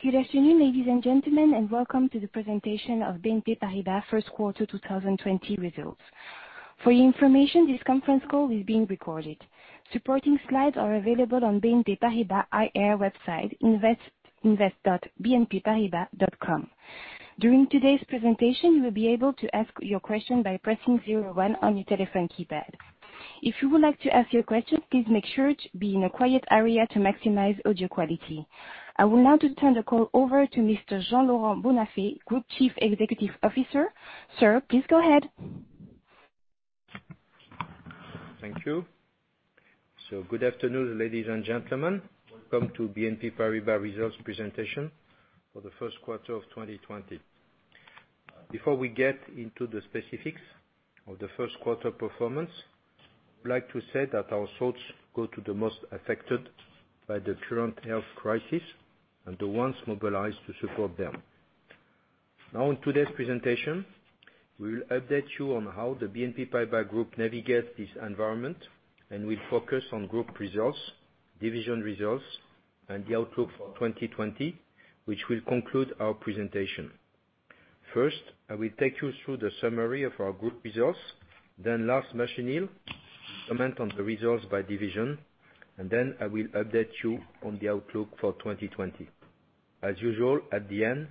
Good afternoon, ladies and gentlemen, and welcome to the presentation of BNP Paribas First Quarter 2020 Results. For your information, this conference call is being recorded. Supporting slides are available on BNP Paribas IR website, invest.bnpparibas.com. During today's presentation, you will be able to ask your question by pressing 01 on your telephone keypad. If you would like to ask your question, please make sure to be in a quiet area to maximize audio quality. I will now turn the call over to Mr. Jean-Laurent Bonnafé, Group Chief Executive Officer. Sir, please go ahead. Thank you. Good afternoon, ladies and gentlemen. Welcome to BNP Paribas results presentation for the first quarter of 2020. Before we get into the specifics of the first quarter performance, I'd like to say that our thoughts go to the most affected by the current health crisis and the ones mobilized to support them. Now in today's presentation, we will update you on how the BNP Paribas Group navigate this environment, and we'll focus on group results, division results, and the outlook for 2020, which will conclude our presentation. First, I will take you through the summary of our group results, then Lars Machenil comment on the results by division, and then I will update you on the outlook for 2020. As usual, at the end,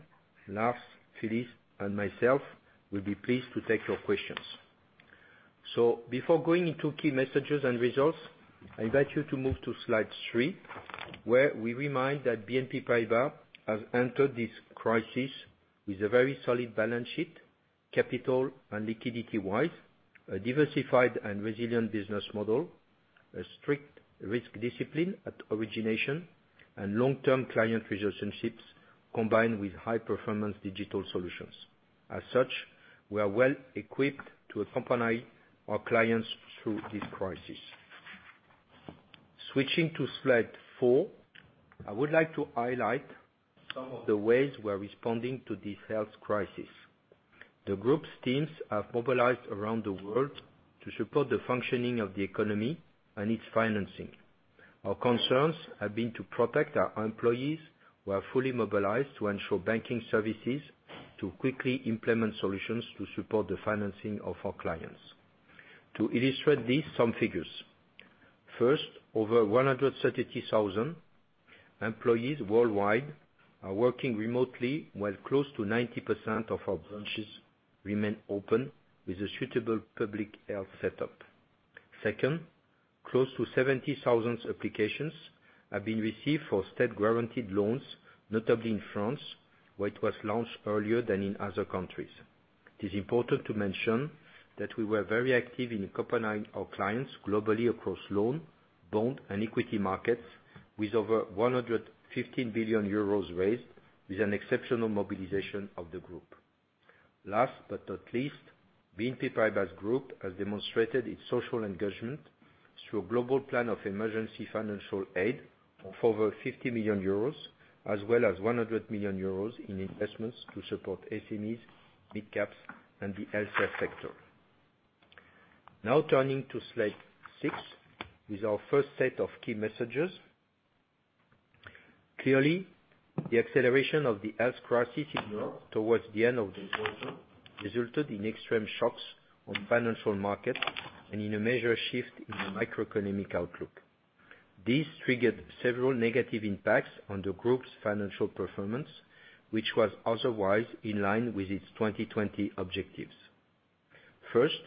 Lars, Philippe, and myself will be pleased to take your questions. Before going into key messages and results, I invite you to move to slide three, where we remind that BNP Paribas has entered this crisis with a very solid balance sheet, capital and liquidity-wise, a diversified and resilient business model, a strict risk discipline at origination, and long-term client relationships, combined with high-performance digital solutions. As such, we are well equipped to accompany our clients through this crisis. Switching to slide four, I would like to highlight some of the ways we're responding to this health crisis. The Group's teams have mobilized around the world to support the functioning of the economy and its financing. Our concerns have been to protect our employees, who are fully mobilized to ensure banking services to quickly implement solutions to support the financing of our clients. To illustrate this, some figures. First, over 130,000 employees worldwide are working remotely, while close to 90% of our branches remain open with a suitable public health setup. Second, close to 70,000 applications have been received for state-guaranteed loans, notably in France, where it was launched earlier than in other countries. It is important to mention that we were very active in accompanying our clients globally across loan, bond, and equity markets with over 115 billion euros raised with an exceptional mobilization of the Group. Last but not least, BNP Paribas Group has demonstrated its social engagement through a global plan of emergency financial aid of over 50 million euros, as well as 100 million euros in investments to support SMEs, big caps, and the health care sector. Now turning to slide six, with our first set of key messages. Clearly, the acceleration of the health crisis ignored towards the end of the quarter resulted in extreme shocks on financial markets and in a major shift in the macroeconomic outlook. This triggered several negative impacts on the Group's financial performance, which was otherwise in line with its 2020 objectives. First,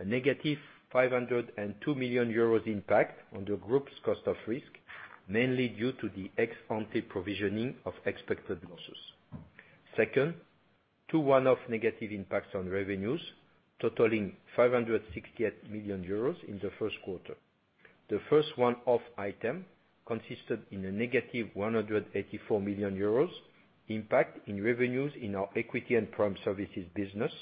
a negative 502 million euros impact on the Group's cost of risk, mainly due to the ex-ante provisioning of expected losses. Second, two one-off negative impacts on revenues totaling 568 million euros in the first quarter. The first one-off item consisted in a negative 184 million euros impact in revenues in our equity and prime services business,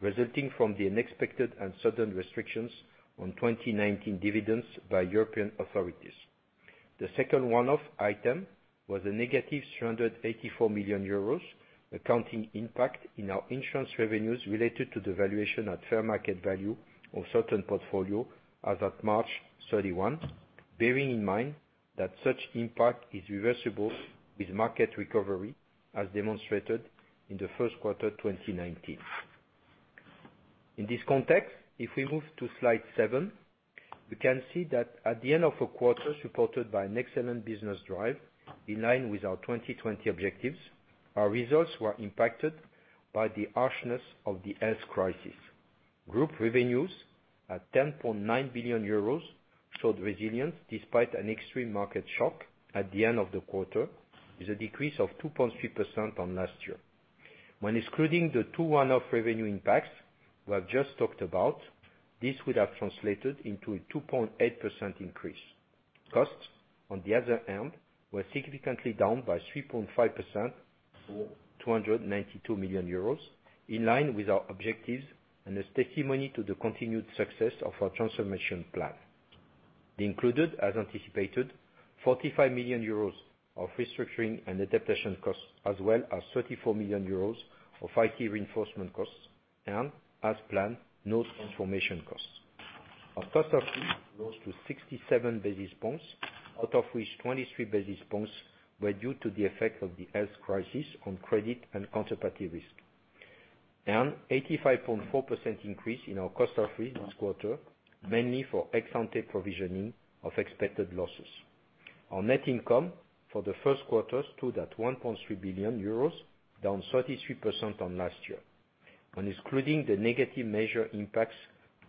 resulting from the unexpected and sudden restrictions on 2019 dividends by European authorities. The second one-off item was a negative 384 million euros accounting impact in our insurance revenues related to the valuation at fair market value of certain portfolio as at March 31, bearing in mind that such impact is reversible with market recovery, as demonstrated in the first quarter 2019. If we move to slide seven, we can see that at the end of a quarter supported by an excellent business drive in line with our 2020 objectives, our results were impacted by the harshness of the health crisis. Group revenues at 10.9 billion euros showed resilience despite an extreme market shock at the end of the quarter, with a decrease of 2.3% on last year. When excluding the two one-off revenue impacts we have just talked about, this would have translated into a 2.8% increase. Costs, on the other hand, were significantly down by 3.5% to 292 million euros, in line with our objectives and as testimony to the continued success of our transformation plan. Included, as anticipated, 45 million euros of restructuring and adaptation costs, as well as 34 million euros of IT reinforcement costs and, as planned, no transformation costs. Our cost of risk rose to 67 basis points, out of which 23 basis points were due to the effect of the health crisis on credit and counterparty risk. Down 85.4% increase in our cost of risk this quarter, mainly for ex-ante provisioning of expected losses. Our net income for the first quarter stood at 1.3 billion euros, down 33% on last year. When excluding the negative measure impacts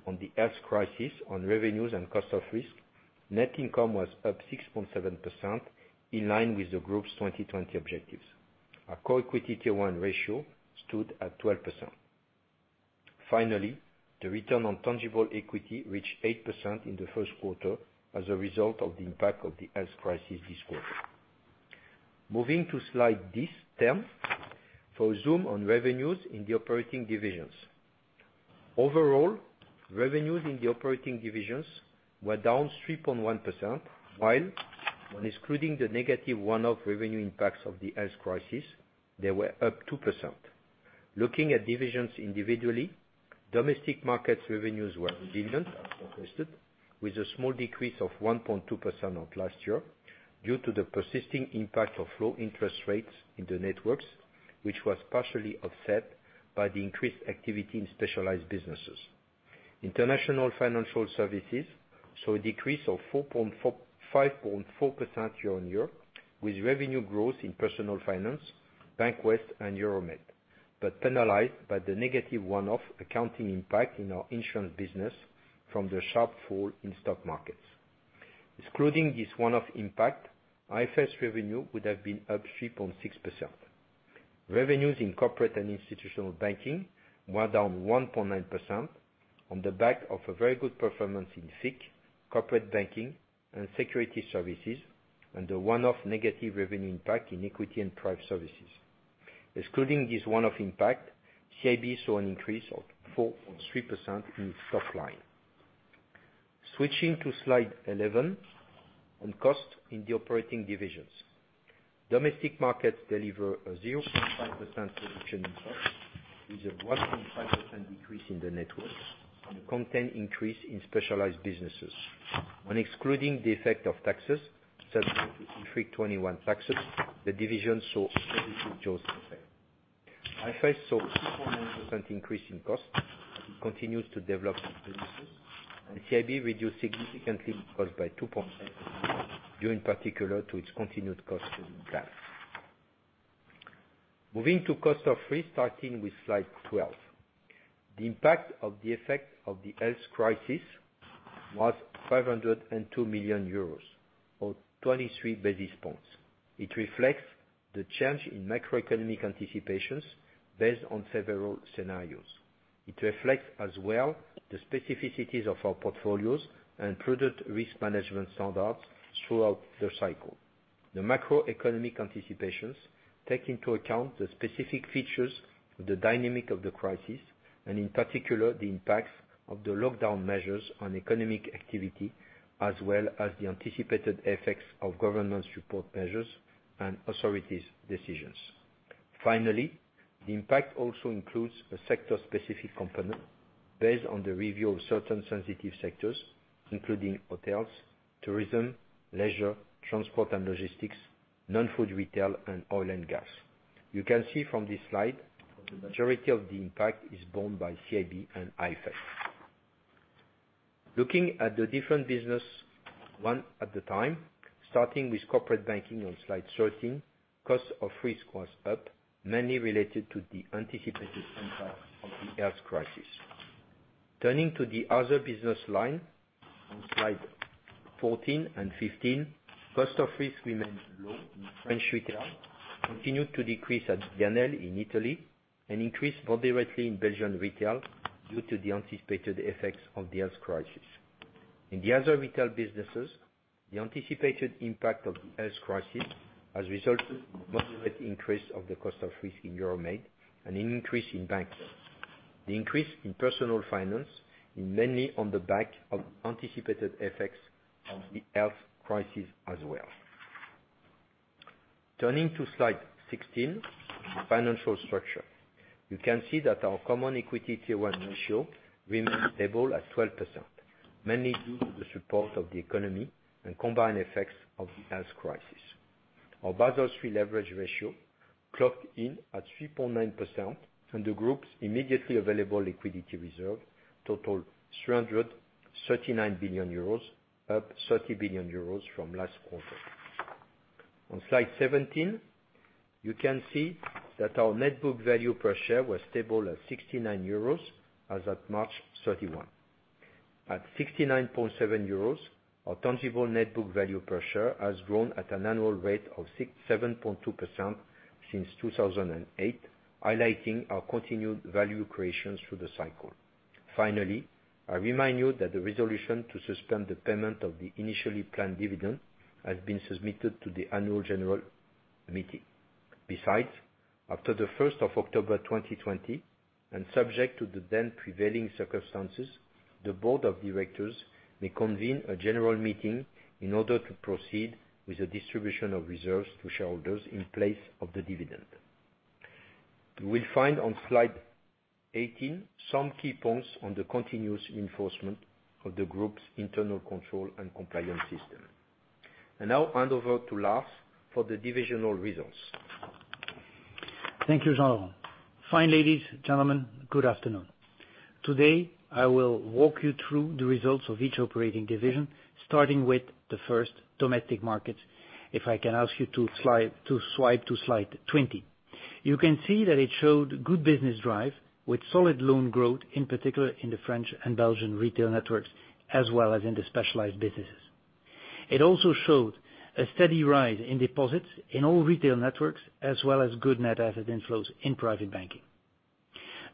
on the health crisis on revenues and cost of risk, net income was up 6.7%, in line with the group's 2020 objectives. Our core equity Tier 1 ratio stood at 12%. Finally, the return on tangible equity reached 8% in the first quarter as a result of the impact of the health crisis this quarter. Moving to slide 10, for zoom on revenues in the operating divisions. Overall, revenues in the operating divisions were down 3.1%, while when excluding the negative one-off revenue impacts of the health crisis, they were up 2%. Looking at divisions individually, domestic markets revenues were resilient as requested, with a small decrease of 1.2% of last year due to the persisting impact of low interest rates in the networks, which was partially offset by the increased activity in specialized businesses. International Financial Services saw a decrease of 5.4% year-on-year, with revenue growth in Personal Finance, Bank of the West, and Europe-Mediterranean, but penalized by the negative one-off accounting impact in our insurance business from the sharp fall in stock markets. Excluding this one-off impact, IFS revenue would have been up 3.6%. Revenues in corporate and institutional banking were down 1.9% on the back of a very good performance in FICC, corporate banking, and security services, and the one-off negative revenue impact in Equity & Prime Services. Excluding this one-off impact, CIB saw an increase of 4.3% in top line. Switching to slide 11 on costs in the operating divisions. Domestic Markets deliver a 0.5% reduction in cost, with a 1.5% decrease in the network and a content increase in specialized businesses. When excluding the effect of taxes, such as IFRIC 21 taxes, the division saw a [inaudible] in cost as it continues to develop its businesses, CIB reduced significantly by 2%, due in particular to its continued cost base. Moving to cost of risk, starting with slide 12. The impact of the effect of the health crisis was 502 million euros, or 23 basis points. It reflects the change in macroeconomic anticipations based on several scenarios. It reflects as well the specificities of our portfolios and prudent risk management standards throughout the cycle. The macroeconomic anticipations take into account the specific features of the dynamic of the crisis, and in particular, the impacts of the lockdown measures on economic activity, as well as the anticipated effects of government support measures and authorities' decisions. Finally, the impact also includes a sector-specific component based on the review of certain sensitive sectors, including hotels, tourism, leisure, transport and logistics, non-food retail, and oil and gas. You can see from this slide, the majority of the impact is borne by CIB and IFS. Looking at the different business one at a time, starting with corporate banking on slide 13, cost of risk was up, mainly related to the anticipated impact of the health crisis. Turning to the other business line on slide 14 and 15, cost of risk remains low in French retail, continued to decrease at BNL in Italy, and increased moderately in Belgian retail due to the anticipated effects of the health crisis. In the other retail businesses, the anticipated impact of the health crisis has resulted in a moderate increase of the cost of risk in Europe-Mediterranean and an increase in banks. The increase in Personal Finance is mainly on the back of anticipated effects of the health crisis as well. Turning to slide 16, financial structure. You can see that our common equity Tier 1 ratio remains stable at 12%, mainly due to the support of the economy and combined effects of the health crisis. Our Basel III leverage ratio clocked in at 3.9%, and the group's immediately available liquidity reserve totaled 339 billion euros, up 30 billion euros from last quarter. On slide 17, you can see that our net book value per share was stable at 69 euros as at March 31. At 69.7 euros, our tangible net book value per share has grown at an annual rate of 7.2% since 2008, highlighting our continued value creations through the cycle. Finally, I remind you that the resolution to suspend the payment of the initially planned dividend has been submitted to the annual general meeting. Besides, after the 1st of October 2020, and subject to the then prevailing circumstances, the board of directors may convene a general meeting in order to proceed with the distribution of reserves to shareholders in place of the dividend. You will find on slide 18 some key points on the continuous enforcement of the Group's internal control and compliance system. I now hand over to Lars for the divisional results. Thank you, Jean-Laurent. Fine ladies, gentlemen, good afternoon. Today, I will walk you through the results of each operating division, starting with the first, Domestic Markets. If I can ask you to swipe to slide 20. You can see that it showed good business drive with solid loan growth, in particular in the French and Belgian retail networks, as well as in the specialized businesses. It also showed a steady rise in deposits in all retail networks, as well as good net asset inflows in private banking.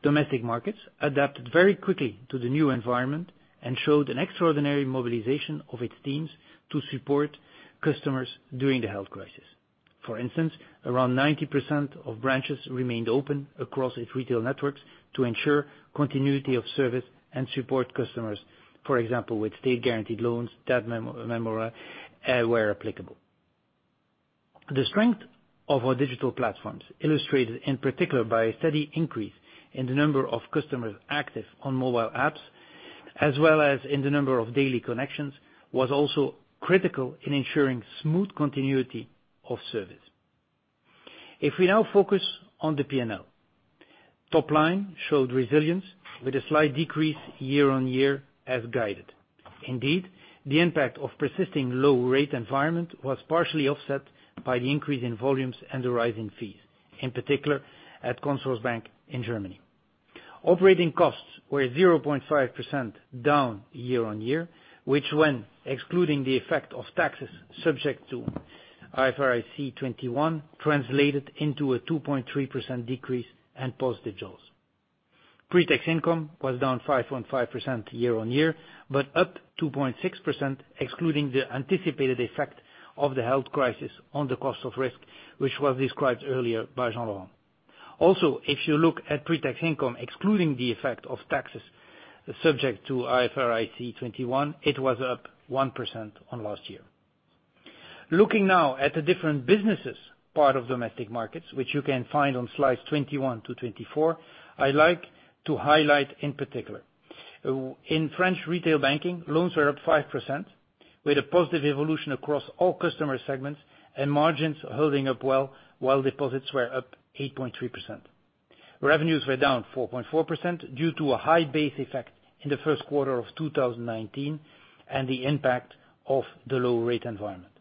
Domestic Markets adapted very quickly to the new environment and showed an extraordinary mobilization of its teams to support customers during the health crisis. For instance, around 90% of branches remained open across its retail networks to ensure continuity of service and support customers. For example, with state-guaranteed loans, debt moratoria, where applicable. The strength of our digital platforms, illustrated in particular by a steady increase in the number of customers active on mobile apps, as well as in the number of daily connections, was also critical in ensuring smooth continuity of service. If we now focus on the P&L. Top line showed resilience with a slight decrease year-on-year as guided. The impact of persisting low rate environment was partially offset by the increase in volumes and the rise in fees, in particular at Consorsbank in Germany. Operating costs were 0.5% down year-on-year, which, when excluding the effect of taxes subject to IFRIC 21, translated into a 2.3% decrease and positive jaws. Pre-tax income was down 5.5% year-on-year, up 2.6%, excluding the anticipated effect of the health crisis on the cost of risk, which was described earlier by Jean-Laurent. If you look at pre-tax income, excluding the effect of taxes subject to IFRIC 21, it was up 1% on last year. Looking now at the different businesses part of Domestic Markets, which you can find on slides 21 to 24, I like to highlight in particular. In French Retail Banking, loans were up 5%, with a positive evolution across all customer segments and margins holding up well, while deposits were up 8.3%. Revenues were down 4.4% due to a high base effect in the first quarter of 2019 and the impact of the low rate environment.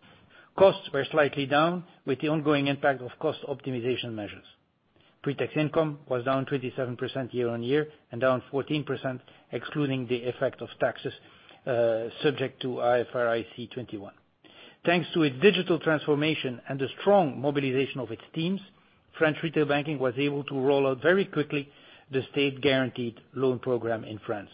Costs were slightly down with the ongoing impact of cost optimization measures. Pre-tax income was down 27% year-on-year and down 14%, excluding the effect of taxes subject to IFRIC 21. Thanks to its digital transformation and the strong mobilization of its teams, French retail banking was able to roll out very quickly the state-guaranteed loan program in France.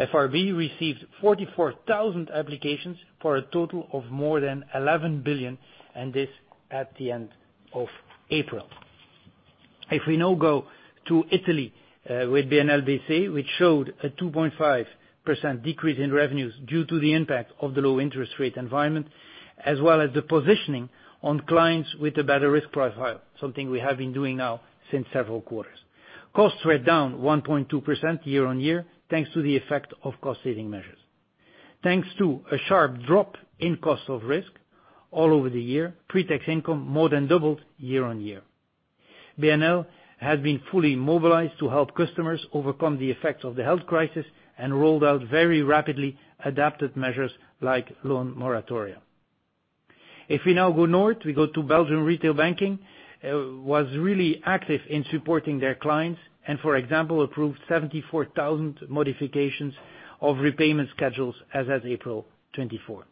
FRB received 44,000 applications for a total of more than 11 billion, and this at the end of April. If we now go to Italy with BNL bc, which showed a 2.5% decrease in revenues due to the impact of the low interest rate environment, as well as the positioning on clients with a better risk profile, something we have been doing now since several quarters. Costs were down 1.2% year-on-year, thanks to the effect of cost-saving measures. Thanks to a sharp drop in cost of risk all over the year, pre-tax income more than doubled year-on-year. BNL has been fully mobilized to help customers overcome the effects of the health crisis and rolled out very rapidly adapted measures like loan moratoria. If we now go north, we go to Belgium Retail Banking, was really active in supporting their clients and, for example, approved 74,000 modifications of repayment schedules as of April 24,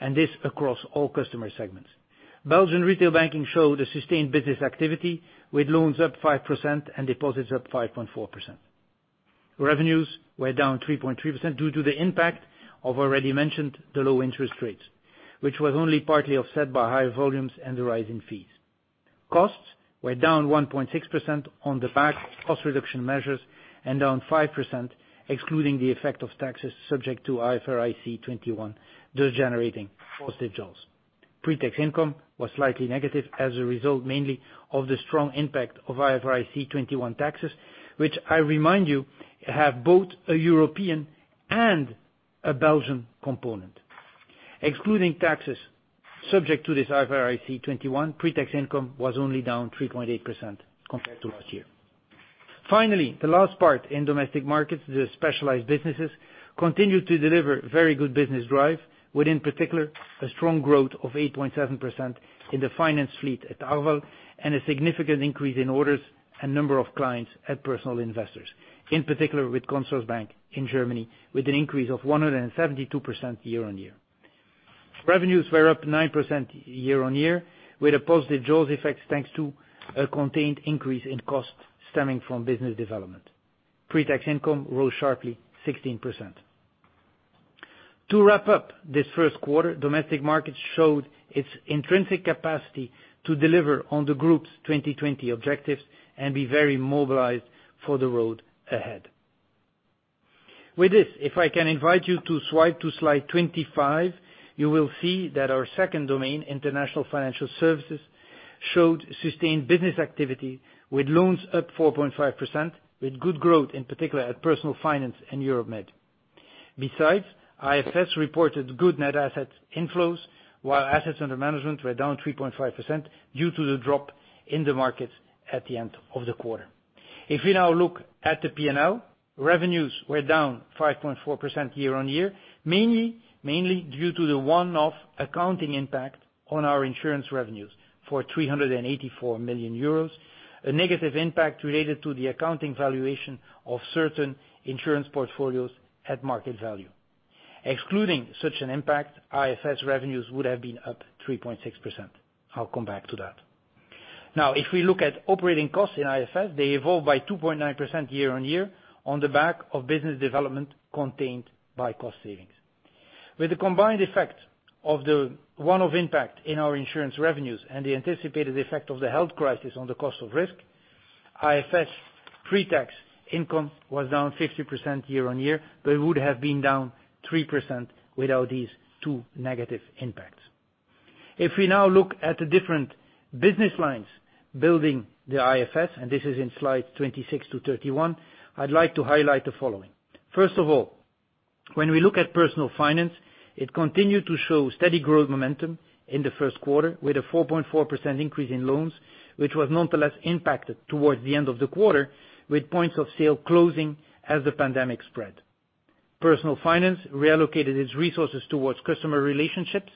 and this across all customer segments. Belgian Retail Banking showed a sustained business activity with loans up 5% and deposits up 5.4%. Revenues were down 3.3% due to the impact of already mentioned the low interest rates, which was only partly offset by higher volumes and the rise in fees. Costs were down 1.6% on the back cost reduction measures and down 5%, excluding the effect of taxes subject to IFRIC 21, thus generating positive jaws. Pre-tax income was slightly negative as a result mainly of the strong impact of IFRIC 21 taxes, which I remind you have both a European and a Belgian component. Excluding taxes subject to this IFRIC 21, pre-tax income was only down 3.8% compared to last year. Finally, the last part in Domestic Markets, the specialized businesses, continued to deliver very good business drive with, in particular, a strong growth of 8.7% in the finance fleet at Arval, and a significant increase in orders and number of clients at Personal Investors. In particular with Consorsbank in Germany, with an increase of 172% year-on-year. Revenues were up 9% year-on-year with a positive jaws effect, thanks to a contained increase in cost stemming from business development. Pre-tax income rose sharply 16%. To wrap up this first quarter, Domestic Markets showed its intrinsic capacity to deliver on the Group's 2020 objectives and be very mobilized for the road ahead. With this, if I can invite you to swipe to slide 25, you will see that our second domain, International Financial Services, showed sustained business activity with loans up 4.5%, with good growth, in particular at Personal Finance in Europe-Mediterranean. Besides, IFS reported good net asset inflows, while assets under management were down 3.5% due to the drop in the market at the end of the quarter. If we now look at the P&L, revenues were down 5.4% year on year, mainly due to the one-off accounting impact on our insurance revenues for 384 million euros, a negative impact related to the accounting valuation of certain insurance portfolios at market value. Excluding such an impact, IFS revenues would have been up 3.6%. I'll come back to that. If we look at operating costs in IFS, they evolved by 2.9% year-on-year on the back of business development contained by cost savings. With the combined effect of the one-off impact in our insurance revenues and the anticipated effect of the health crisis on the cost of risk, IFS pre-tax income was down 50% year-on-year, but it would have been down 3% without these two negative impacts. If we now look at the different business lines building the IFS, and this is in slide 26 to 31, I'd like to highlight the following. First of all, when we look at Personal Finance, it continued to show steady growth momentum in the first quarter with a 4.4% increase in loans, which was nonetheless impacted towards the end of the quarter with points of sale closing as the pandemic spread. Personal Finance reallocated its resources towards customer relationships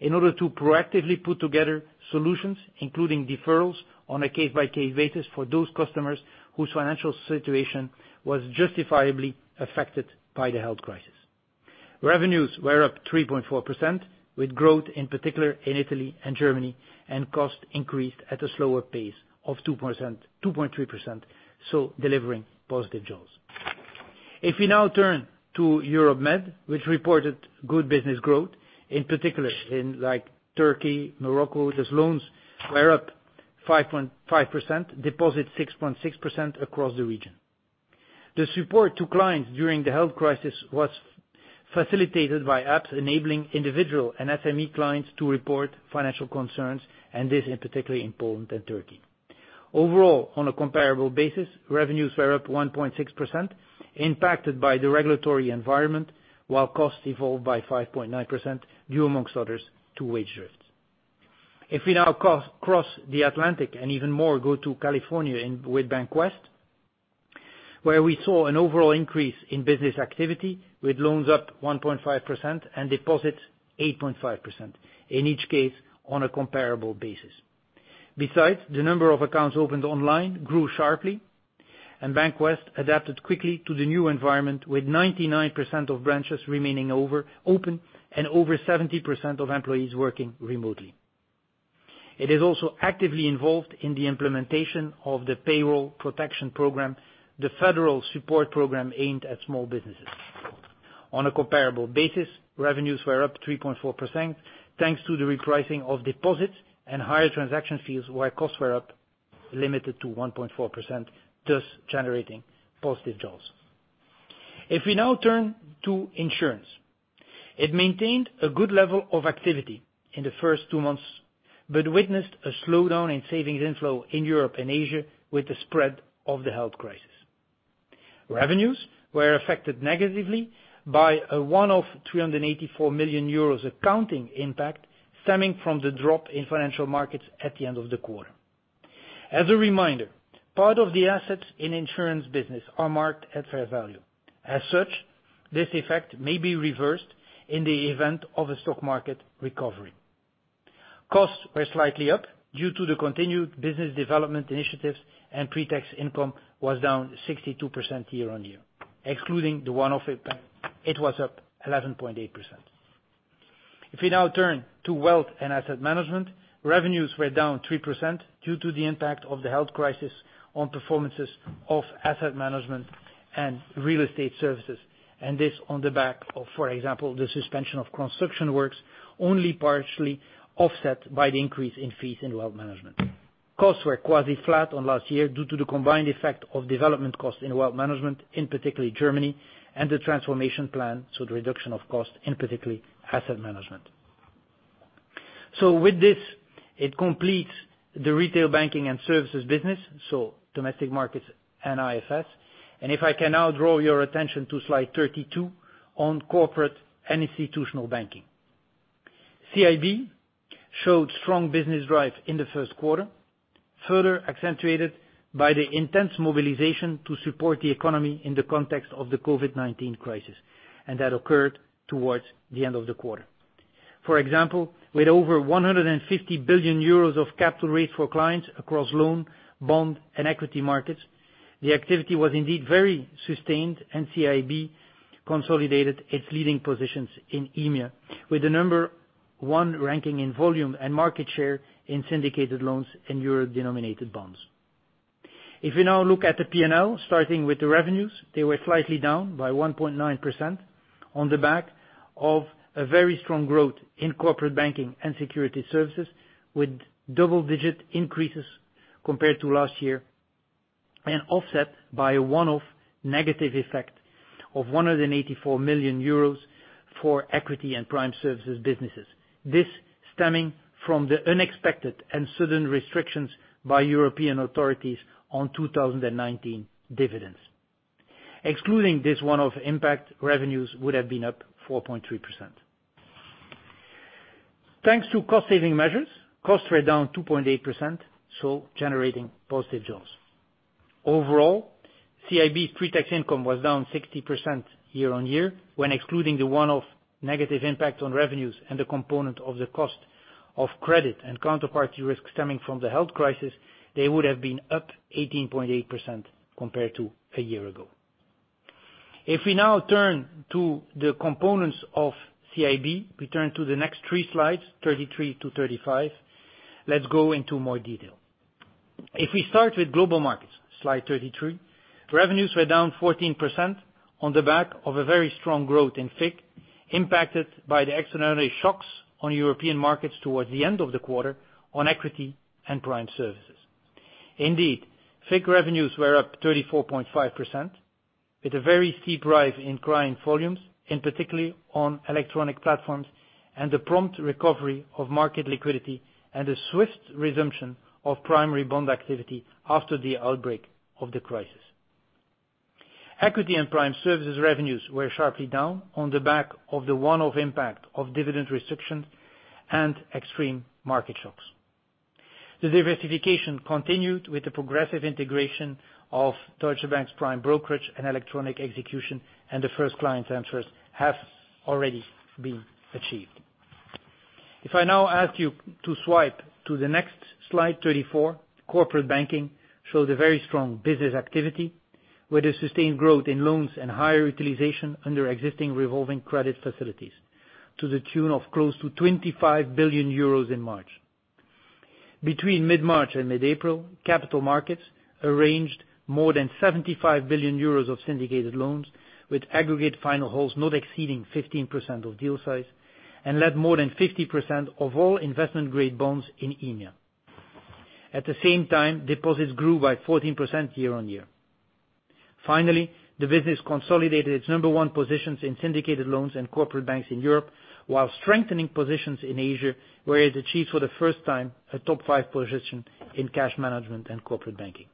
in order to proactively put together solutions, including deferrals on a case-by-case basis for those customers whose financial situation was justifiably affected by the health crisis. Revenues were up 3.4%, with growth in particular in Italy and Germany. Costs increased at a slower pace of 2.3%, delivering positive jaws. If we now turn to Europe-Mediterranean, which reported good business growth, in particular in Turkey, Morocco, as loans were up 5.5%, deposits 6.6% across the region. The support to clients during the health crisis was facilitated by apps enabling individual and SME clients to report financial concerns. This in particularly in Poland and Turkey. Overall, on a comparable basis, revenues were up 1.6%, impacted by the regulatory environment, while costs evolved by 5.9%, due amongst others, to wage drifts. If we now cross the Atlantic and even more go to California with BancWest, where we saw an overall increase in business activity with loans up 1.5% and deposits 8.5%, in each case on a comparable basis. Besides, the number of accounts opened online grew sharply, and BancWest adapted quickly to the new environment with 99% of branches remaining open and over 70% of employees working remotely. It is also actively involved in the implementation of the Paycheck Protection Program, the federal support program aimed at small businesses. On a comparable basis, revenues were up 3.4% thanks to the repricing of deposits and higher transaction fees, where costs were up, limited to 1.4%, thus generating positive jaws. If we now turn to insurance, it maintained a good level of activity in the first two months, but witnessed a slowdown in savings inflow in Europe and Asia with the spread of the health crisis. Revenues were affected negatively by a one-off 384 million euros accounting impact stemming from the drop in financial markets at the end of the quarter. As a reminder, part of the assets in insurance business are marked at fair value. As such, this effect may be reversed in the event of a stock market recovery. Costs were slightly up due to the continued business development initiatives, and pre-tax income was down 62% year-on-year. Excluding the one-off impact, it was up 11.8%. If we now turn to wealth and asset management, revenues were down 3% due to the impact of the health crisis on performances of asset management and real estate services. This on the back of, for example, the suspension of construction works only partially offset by the increase in fees in wealth management. Costs were quasi flat on last year due to the combined effect of development costs in wealth management, in particular Germany, and the transformation plan, so the reduction of cost in particular asset management. With this, it completes the retail banking and services business, so domestic markets and IFS. If I can now draw your attention to slide 32 on Corporate and Institutional Banking. CIB showed strong business drive in the first quarter, further accentuated by the intense mobilization to support the economy in the context of the COVID-19 crisis, and that occurred towards the end of the quarter. For example, with over 150 billion euros of capital raised for clients across loan, bond, and equity markets, the activity was indeed very sustained and CIB consolidated its leading positions in EMEA, with the number one ranking in volume and market share in syndicated loans and euro-denominated bonds. If we now look at the P&L, starting with the revenues, they were slightly down by 1.9% on the back of a very strong growth in corporate banking and security services, with double-digit increases Compared to last year, and offset by a one-off negative effect of 184 million euros for equity and prime services businesses. This stemming from the unexpected and sudden restrictions by European authorities on 2019 dividends. Excluding this one-off impact, revenues would have been up 4.3%. Thanks to cost-saving measures, costs were down 2.8%, so generating positive jaws. Overall, CIB's pre-tax income was down 60% year-over-year, when excluding the one-off negative impact on revenues and the component of the cost of credit and counterparty risk stemming from the health crisis, they would have been up 18.8% compared to a year ago. If we now turn to the components of CIB, we turn to the next three slides, 33 to 35, let's go into more detail. If we start with global markets, slide 33, revenues were down 14% on the back of a very strong growth in FICC, impacted by the external shocks on European markets towards the end of the quarter on equity and prime services. Indeed, FICC revenues were up 34.5% with a very steep rise in client volumes, and particularly on electronic platforms, and the prompt recovery of market liquidity, and a swift resumption of primary bond activity after the outbreak of the crisis. Equity and prime services revenues were sharply down on the back of the one-off impact of dividend restrictions and extreme market shocks. The diversification continued with the progressive integration of Deutsche Bank's prime brokerage and electronic execution, and the first client answers have already been achieved. If I now ask you to swipe to the next slide 34, corporate banking showed a very strong business activity with a sustained growth in loans and higher utilization under existing revolving credit facilities to the tune of close to 25 billion euros in March. Between mid-March and mid-April, capital markets arranged more than 75 billion euros of syndicated loans, with aggregate final holds not exceeding 15% of deal size, and led more than 50% of all investment-grade bonds in EMEA. At the same time, deposits grew by 14% year-on-year. Finally, the business consolidated its number 1 positions in syndicated loans and corporate banks in Europe while strengthening positions in Asia, where it achieved for the first time a top 5 position in cash management and corporate banking.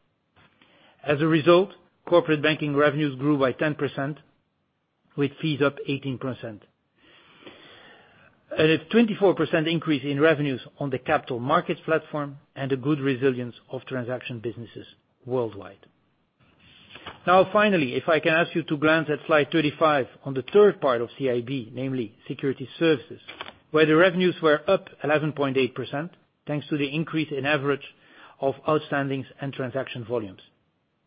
As a result, corporate banking revenues grew by 10%, with fees up 18%. A 24% increase in revenues on the capital markets platform and a good resilience of transaction businesses worldwide. Finally, if I can ask you to glance at slide 35 on the third part of CIB, namely Security Services, where the revenues were up 11.8% thanks to the increase in average of outstandings and transaction volumes.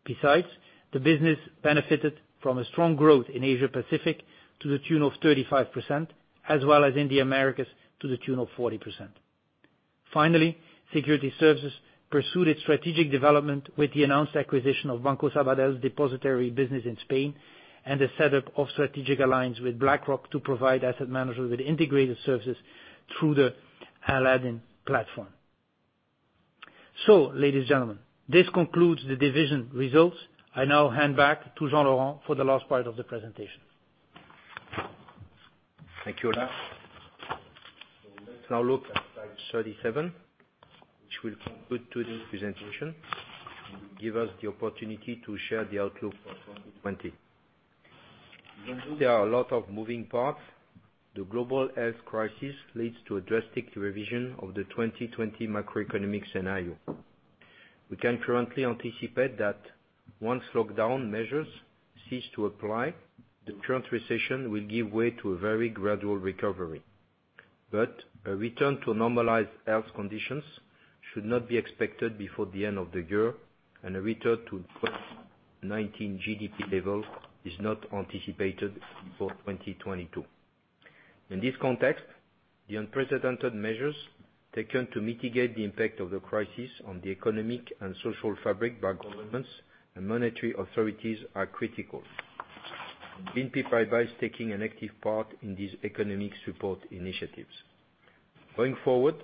The business benefited from a strong growth in Asia-Pacific to the tune of 35%, as well as in the Americas to the tune of 40%. Security Services pursued its strategic development with the announced acquisition of Banco Sabadell's depository business in Spain, and the setup of strategic alliance with BlackRock to provide asset managers with integrated services through the Aladdin platform. Ladies and gentlemen, this concludes the division results. I now hand back to Jean-Laurent for the last part of the presentation. Thank you, Lars. Let's now look at slide 37, which will conclude today's presentation, and will give us the opportunity to share the outlook for 2020. There are a lot of moving parts. The global health crisis leads to a drastic revision of the 2020 macroeconomic scenario. We can currently anticipate that once lockdown measures cease to apply, the current recession will give way to a very gradual recovery. A return to normalized health conditions should not be expected before the end of the year, and a return to 2019 GDP level is not anticipated before 2022. In this context, the unprecedented measures taken to mitigate the impact of the crisis on the economic and social fabric by governments and monetary authorities are critical. BNP Paribas is taking an active part in these economic support initiatives. Going forward,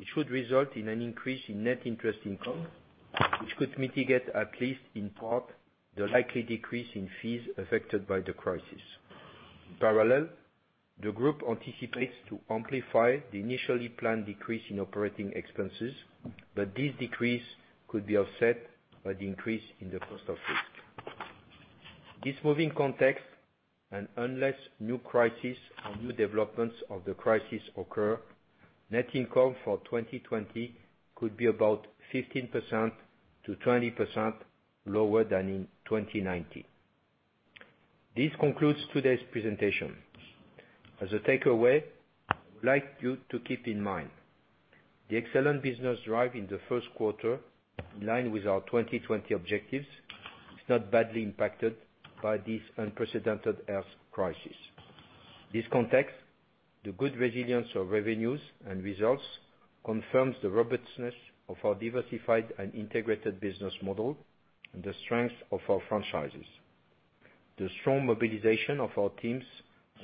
it should result in an increase in net interest income, which could mitigate, at least in part, the likely decrease in fees affected by the crisis. In parallel, the group anticipates to amplify the initially planned decrease in operating expenses, but this decrease could be offset by the increase in the cost of risk. This moving context, and unless new crisis or new developments of the crisis occur, net income for 2020 could be about 15%-20% lower than in 2019. This concludes today's presentation. As a takeaway, I would like you to keep in mind, the excellent business drive in the first quarter, in line with our 2020 objectives, is not badly impacted by this unprecedented health crisis. This context, the good resilience of revenues and results confirms the robustness of our diversified and integrated business model and the strength of our franchises. The strong mobilization of our teams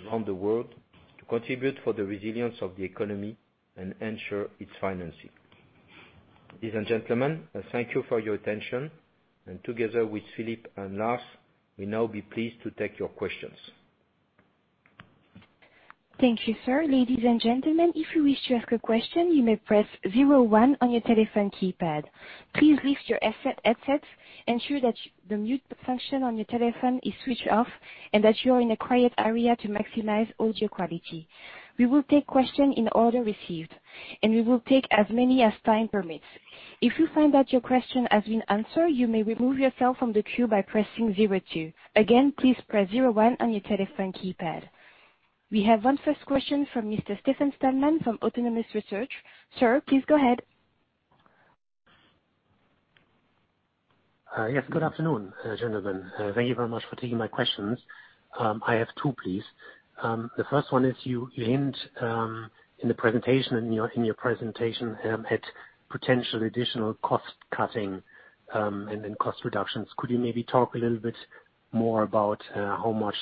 around the world to contribute for the resilience of the economy and ensure its financing. Ladies and gentlemen, thank you for your attention, and together with Philippe and Lars, we'll now be pleased to take your questions. Thank you, sir. Ladies and gentlemen, if you wish to ask a question, you may press zero one on your telephone keypad. Please lift your headset, ensure that the mute function on your telephone is switched off, and that you are in a quiet area to maximize audio quality. We will take questions in the order received, and we will take as many as time permits. If you find that your question has been answered, you may remove yourself from the queue by pressing zero two. Again, please press zero one on your telephone keypad. We have one first question from Mr. Stefan Stalmann from Autonomous Research. Sir, please go ahead. Yes. Good afternoon, gentlemen. Thank you very much for taking my questions. I have two, please. The first one is you hint in your presentation at potential additional cost-cutting, cost reductions. Could you maybe talk a little bit more about how much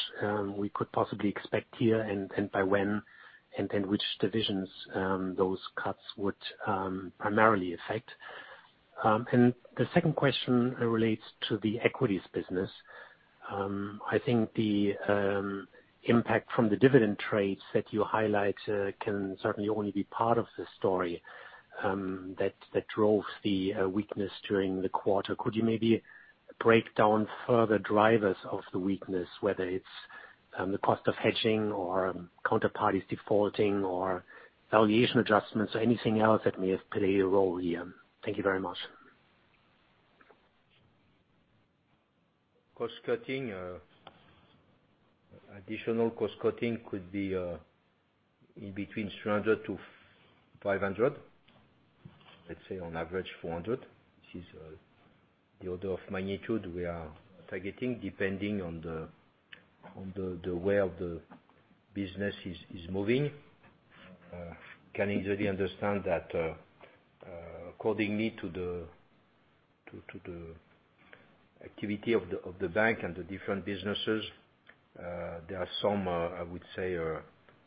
we could possibly expect here and by when, which divisions those cuts would primarily affect? The second question relates to the equities business. I think the impact from the dividend trades that you highlight can certainly only be part of the story that drove the weakness during the quarter. Could you maybe break down further drivers of the weakness, whether it's the cost of hedging or counterparties defaulting, or valuation adjustments, or anything else that may have played a role here? Thank you very much. Cost-cutting. Additional cost-cutting could be in between 300 million- 500 million. Let's say on average 400 million. This is the order of magnitude we are targeting depending on the way the business is moving. Can easily understand that according to the activity of the bank and the different businesses, there are some, I would say,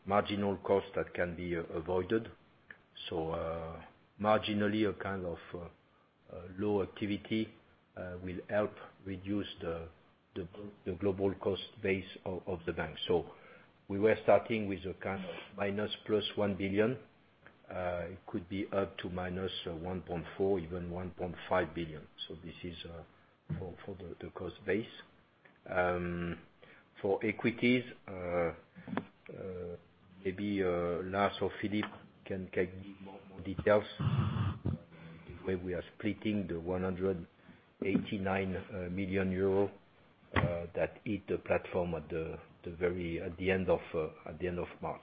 marginal costs that can be avoided. Marginally, a kind of low activity will help reduce the global cost base of the bank. We were starting with a kind of minus plus 1 billion. It could be up to -1.4 billion, even 1.5 billion. This is for the cost base. For equities, maybe Lars or Philippe can give me more details the way we are splitting the 189 million euro that hit the platform at the end of March.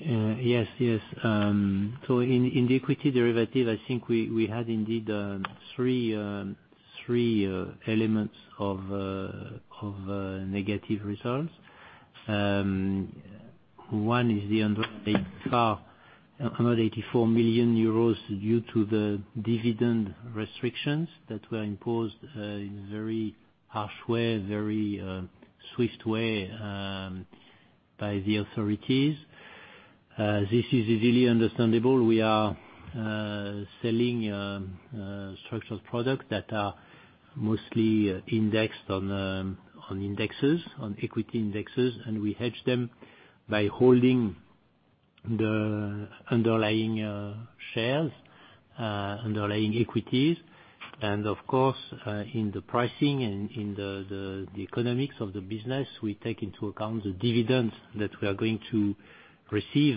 Yes. In the equity derivative, I think we had indeed three elements of negative results. One is the 184 million euros due to the dividend restrictions that were imposed in a very harsh way, very swift way by the authorities. This is easily understandable. We are selling structured products that are mostly indexed on equity indexes, and we hedge them by holding the underlying shares, underlying equities. Of course, in the pricing and in the economics of the business, we take into account the dividends that we are going to receive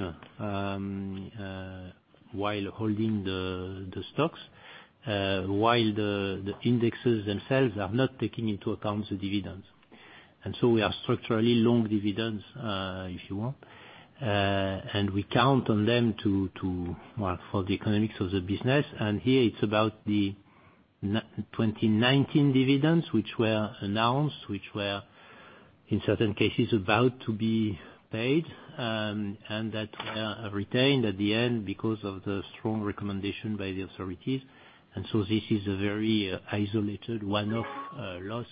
while holding the stocks, while the indexes themselves are not taking into account the dividends. We are structurally long dividends, if you want, and we count on them for the economics of the business. Here it's about the 2019 dividends, which were announced, which were, in certain cases, about to be paid, and that were retained at the end because of the strong recommendation by the authorities. This is a very isolated one-off loss,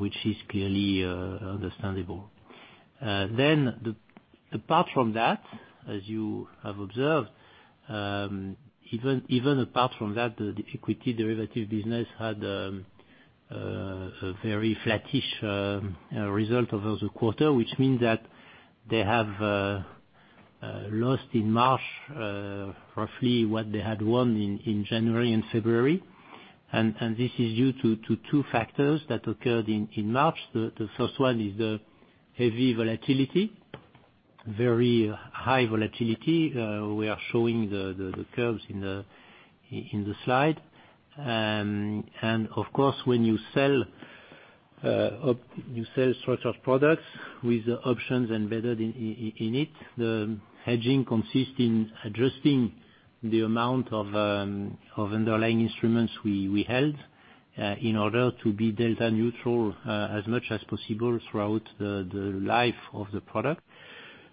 which is clearly understandable. Apart from that, as you have observed, even apart from that, the equity derivative business had a very flattish result over the quarter, which means that they have lost in March roughly what they had won in January and February. This is due to two factors that occurred in March. The first one is the heavy volatility, very high volatility. We are showing the curves in the slide. Of course, when you sell structured products with the options embedded in it, the hedging consists in adjusting the amount of underlying instruments we held in order to be delta neutral as much as possible throughout the life of the product.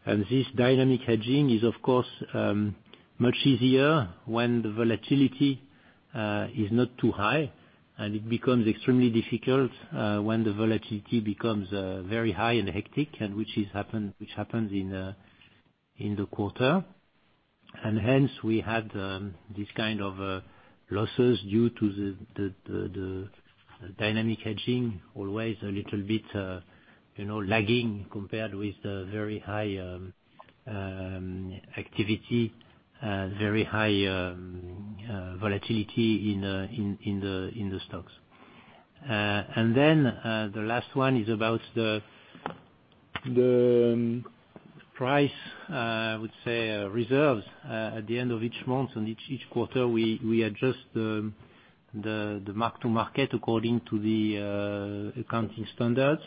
This dynamic hedging is, of course, much easier when the volatility is not too high, and it becomes extremely difficult when the volatility becomes very high and hectic, and which happened in the quarter. Hence, we had these kind of losses due to the dynamic hedging. Always a little bit lagging compared with the very high activity, very high volatility in the stocks. Then, the last one is about the price, I would say, reserves at the end of each month and each quarter, we adjust the mark-to-market according to the accounting standards.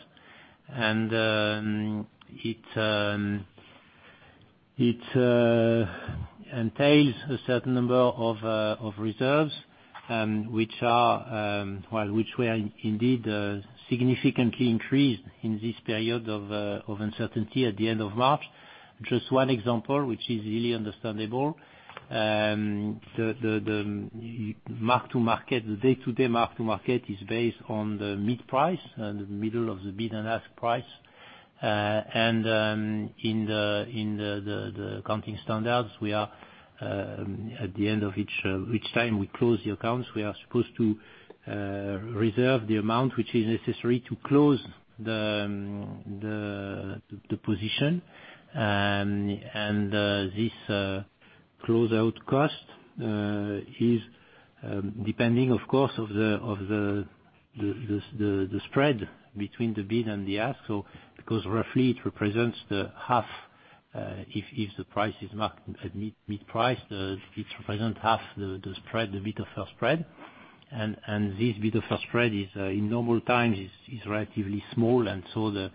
It entails a certain number of reserves, which were indeed significantly increased in this period of uncertainty at the end of March. Just one example, which is really understandable. The day-to-day mark-to-market is based on the mid-price, the middle of the bid and ask price. In the accounting standards, at the end of each time we close the accounts, we are supposed to reserve the amount which is necessary to close the position. This closeout cost is depending, of course, on the spread between the bid and the ask. Because roughly it represents the half, if the price is marked at mid-price, it represents half the spread, the bid-ask spread. This bid-ask spread is, in normal times, is relatively small, the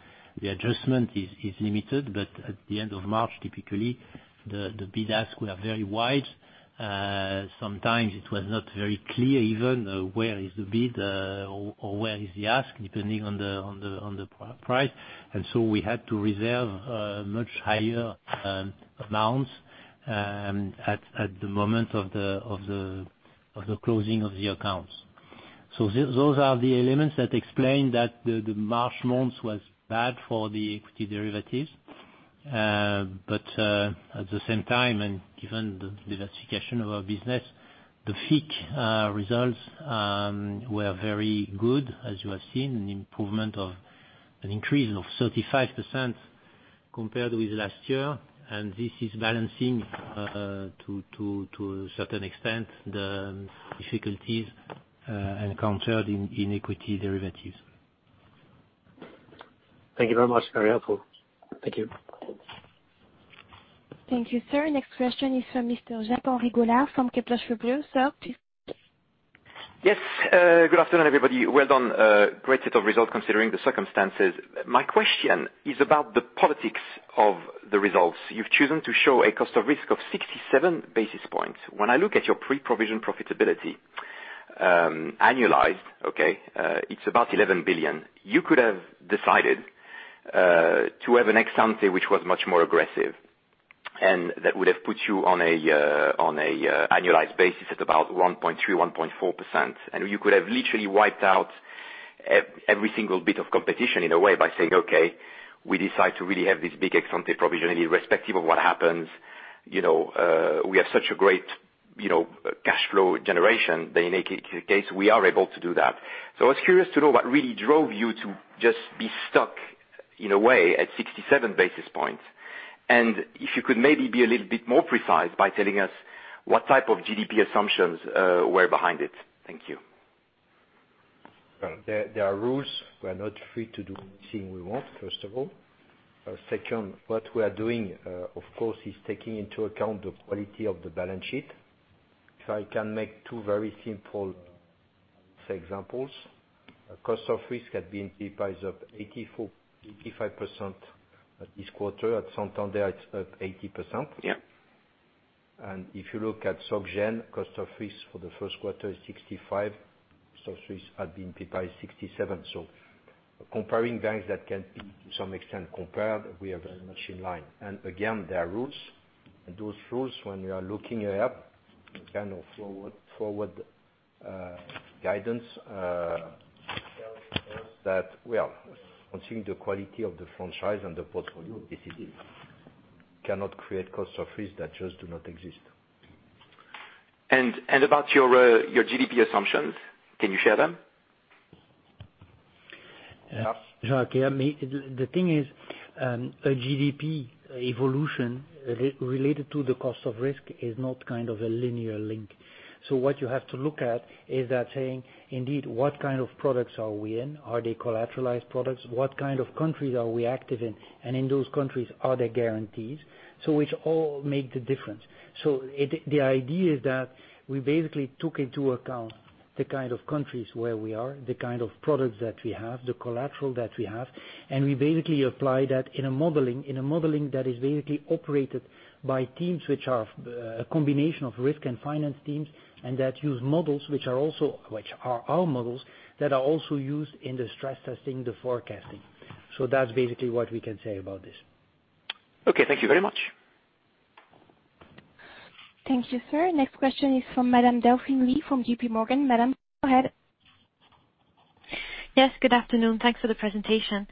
adjustment is limited. At the end of March, typically, the bid-ask were very wide. Sometimes it was not very clear even where is the bid or where is the ask, depending on the price. So we had to reserve much higher amounts at the moment of the closing of the accounts. Those are the elements that explain that the March month was bad for the equity derivatives. At the same time, and given the diversification of our business, the FICC results were very good, as you have seen, an increase of 35% compared with last year. This is balancing to a certain extent, the difficulties encountered in equity derivatives. Thank you very much. Very helpful. Thank you. Thank you, sir. Next question is from Mr. Jacques-Henri Gaulard from Kepler Cheuvreux. Sir. Yes. Good afternoon, everybody. Well done. Great set of results considering the circumstances. My question is about the politics of the results. You've chosen to show a cost of risk of 67 basis points. When I look at your pre-provision profitability, annualized, okay, it's about 11 billion. You could have decided to have an ex-ante, which was much more aggressive, and that would have put you on an annualized basis at about 1.31.4%. You could have literally wiped out every single bit of competition in a way by saying, "Okay, we decide to really have this big ex-ante provision, irrespective of what happens. We have such a great cash flow generation, that in any case, we are able to do that." I was curious to know what really drove you to just be stuck, in a way, at 67 basis points. If you could maybe be a little bit more precise by telling us what type of GDP assumptions were behind it. Thank you. Well, there are rules. We are not free to do anything we want, first of all. Second, what we are doing, of course, is taking into account the quality of the balance sheet. If I can make two very simple examples. Cost of risk at BNP Paribas is up 85% this quarter. At Santander, it's up 80%. Yeah. If you look at Société Générale, cost of risk for the first quarter is 65%. Cost of risk at BNP Paribas is 67%. Comparing banks that can be to some extent compared, we are very much in line. Again, there are rules. Those rules, when we are looking ahead, kind of forward guidance, that we are considering the quality of the franchise and the portfolio, this it is. We cannot create cost of risk that just do not exist. About your GDP assumptions, can you share them? Jacques-Henri, the thing is, a GDP evolution related to the cost of risk is not kind of a linear link. What you have to look at is that saying, indeed, what kind of products are we in? Are they collateralized products? What kind of countries are we active in? In those countries, are there guarantees? Which all make the difference. The idea is that we basically took into account the kind of countries where we are, the kind of products that we have, the collateral that we have, and we basically apply that in a modeling. In a modeling that is basically operated by teams which are a combination of risk and finance teams, and that use models, which are our models, that are also used in the stress testing, the forecasting. That's basically what we can say about this. Okay. Thank you very much. Thank you, sir. Next question is from Madame Delphine Lee from J.P. Morgan. Madame, go ahead. Yes, good afternoon. Thanks for the presentation.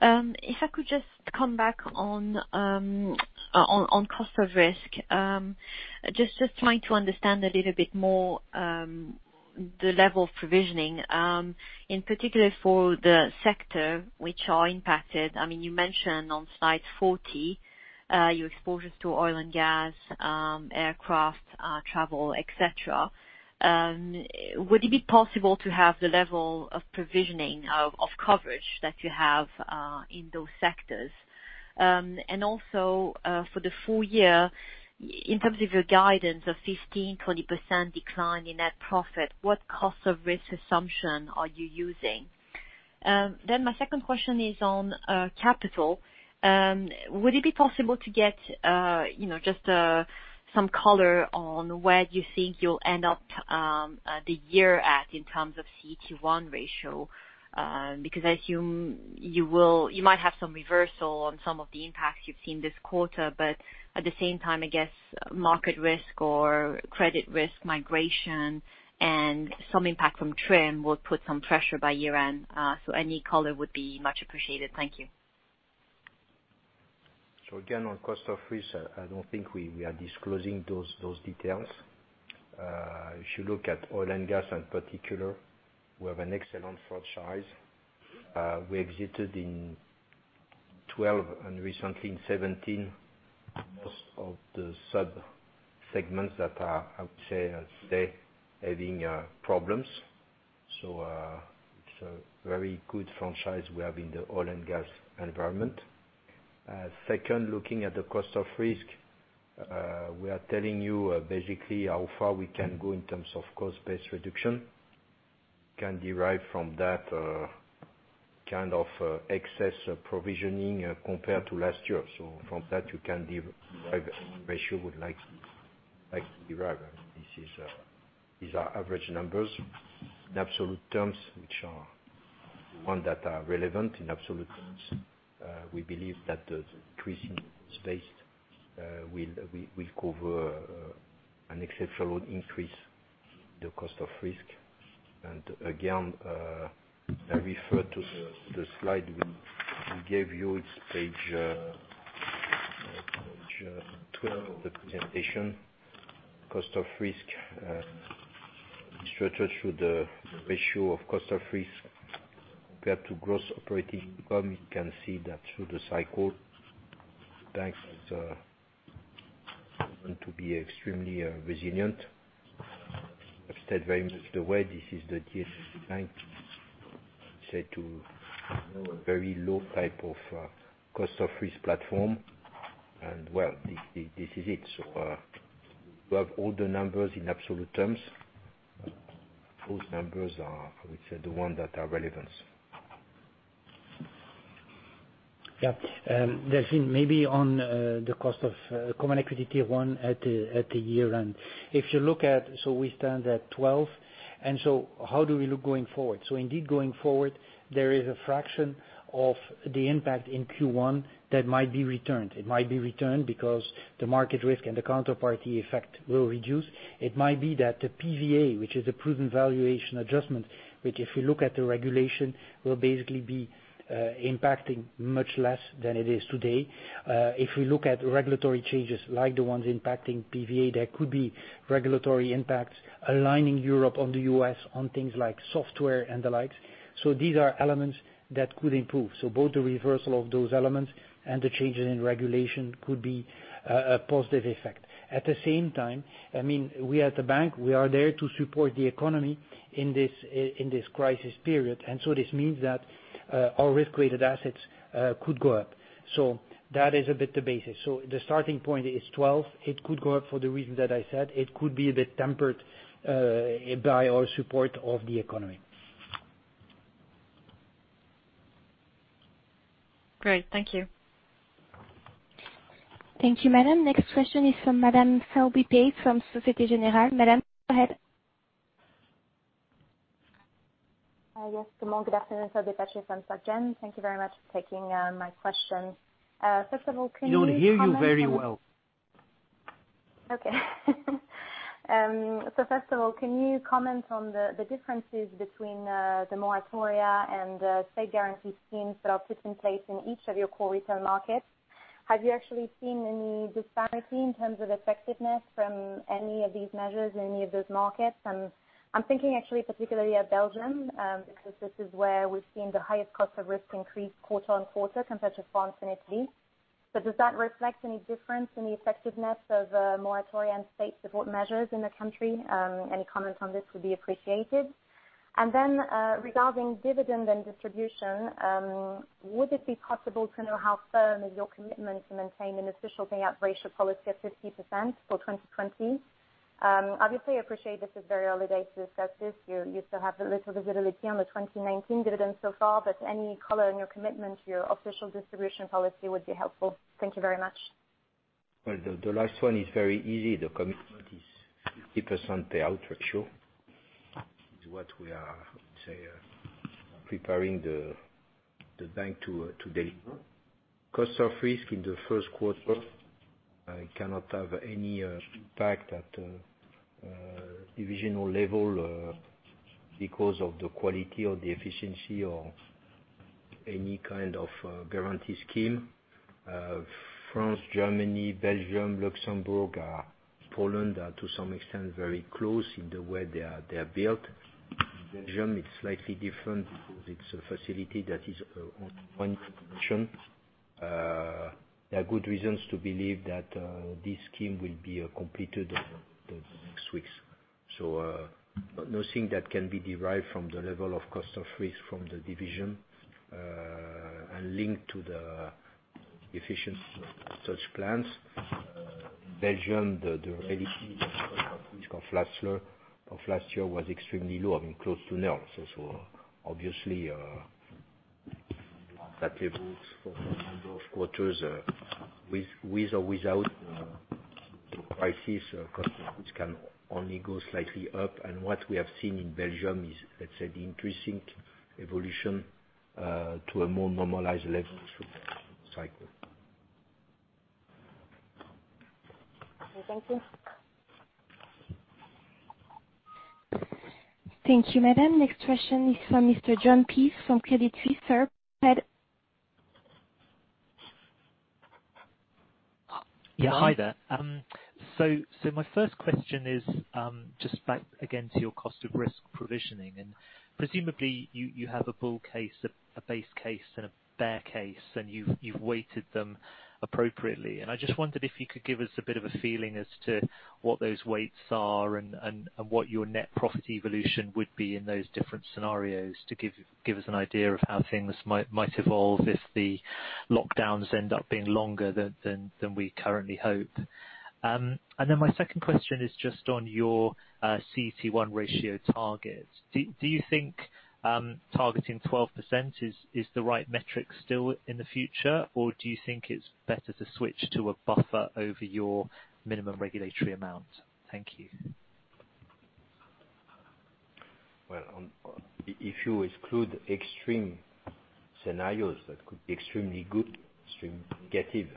If I could just come back on cost of risk. Just trying to understand a little bit more the level of provisioning, in particular for the sector, which are impacted. You mentioned on slide 40 your exposures to oil and gas, aircraft, travel, et cetera. Would it be possible to have the level of provisioning of coverage that you have in those sectors? Also, for the full year, in terms of your guidance of 15%, 20% decline in net profit, what cost of risk assumption are you using? My second question is on capital. Would it be possible to get just some color on where you think you'll end up the year at in terms of CET1 ratio? I assume you might have some reversal on some of the impacts you've seen this quarter, but at the same time, I guess market risk or credit risk migration and some impact from TRIM will put some pressure by year-end. Any color would be much appreciated. Thank you. Again, on cost of risk, I don't think we are disclosing those details. If you look at oil and gas in particular, we have an excellent franchise. We exited in 2012 and recently in 2017, most of the sub-segments that are, I would say, are today having problems. It's a very good franchise we have in the oil and gas environment. Second, looking at the cost of risk, we are telling you basically how far we can go in terms of cost base reduction. You can derive from that kind of excess provisioning compared to last year. From that, you can derive the ratio you would like to derive. These are average numbers in absolute terms, which are one that are relevant in absolute terms. We believe that the increase in space will cover an exceptional increase the cost of risk. Again, I refer to the slide we gave you. It's page 12 of the presentation. Cost of risk structured through the ratio of cost of risk compared to gross operating income. You can see that through the cycle, banks is going to be extremely resilient. Have stayed very much the way this is the TSB bank, say to a very low type of cost of risk platform. Well, this is it. We have all the numbers in absolute terms. Those numbers are, I would say, the one that are relevant. Delphine, maybe on the cost of CET1 at the year-end. We stand at 12%, how do we look going forward? Indeed, going forward, there is a fraction of the impact in Q1 that might be returned. It might be returned because the market risk and the counterparty effect will reduce. It might be that the PVA, which is a prudent valuation adjustment, which if you look at the regulation, will basically be impacting much less than it is today. If we look at regulatory changes like the ones impacting PVA, there could be regulatory impacts aligning Europe on the U.S. on things like software and the likes. These are elements that could improve. Both the reversal of those elements and the changes in regulation could be a positive effect. At the same time, we at the bank, we are there to support the economy in this crisis period, this means that our risk-weighted assets could go up. That is a bit the basis. The starting point is 12. It could go up for the reason that I said. It could be a bit tempered by our support of the economy. Great. Thank you. Thank you, madame. Next question is from Madame. [inaudible] Madame, go ahead. Yes. Good morning. Good afternoon. [inaudible] Thank you very much for taking my question. First of all, can you comment on- We don't hear you very well. First of all, can you comment on the differences between the moratoria and the state guarantee schemes that are put in place in each of your core retail markets? Have you actually seen any disparity in terms of effectiveness from any of these measures in any of those markets? I'm thinking actually particularly of Belgium, because this is where we've seen the highest cost of risk increase quarter on quarter compared to France and Italy. Does that reflect any difference in the effectiveness of moratoria and state support measures in the country? Any comment on this would be appreciated. Regarding dividend and distribution, would it be possible to know how firm is your commitment to maintain an official payout ratio policy at 50% for 2020? Obviously, I appreciate this is very early days to discuss this. You still have a little visibility on the 2019 dividend so far, but any color on your commitment to your official distribution policy would be helpful. Thank you very much. Well, the last one is very easy. The commitment is 50% payout ratio is what we are preparing the bank to deliver. Cost of risk in the first quarter cannot have any impact at divisional level, because of the quality or the efficiency of any kind of guarantee scheme. France, Germany, Belgium, Luxembourg, Poland are, to some extent, very close in the way they are built. Belgium, it's slightly different because it's a facility that is on one condition. There are good reasons to believe that this scheme will be completed in the next weeks. Nothing that can be derived from the level of cost of risk from the division, and linked to the efficiency of such plans. Belgium, the reality of last year was extremely low, close to nil. Obviously, at that level, for a number of quarters, with or without crisis, cost can only go slightly up. What we have seen in Belgium is, let's say, the increasing evolution to a more normalized level through the cycle. Thank you. Thank you, madam. Next question is from Mr. Jon Peace from Credit Suisse. Sir, go ahead. Yeah. Hi there. My first question is just back again to your cost of risk provisioning, and presumably, you have a bull case, a base case, and a bear case, and you've weighted them appropriately. I just wondered if you could give us a bit of a feeling as to what those weights are and what your net profit evolution would be in those different scenarios to give us an idea of how things might evolve if the lockdowns end up being longer than we currently hope. My second question is just on your CET1 ratio target. Do you think targeting 12% is the right metric still in the future? Do you think it's better to switch to a buffer over your minimum regulatory amount? Thank you. If you exclude extreme scenarios that could be extremely good, extremely negative,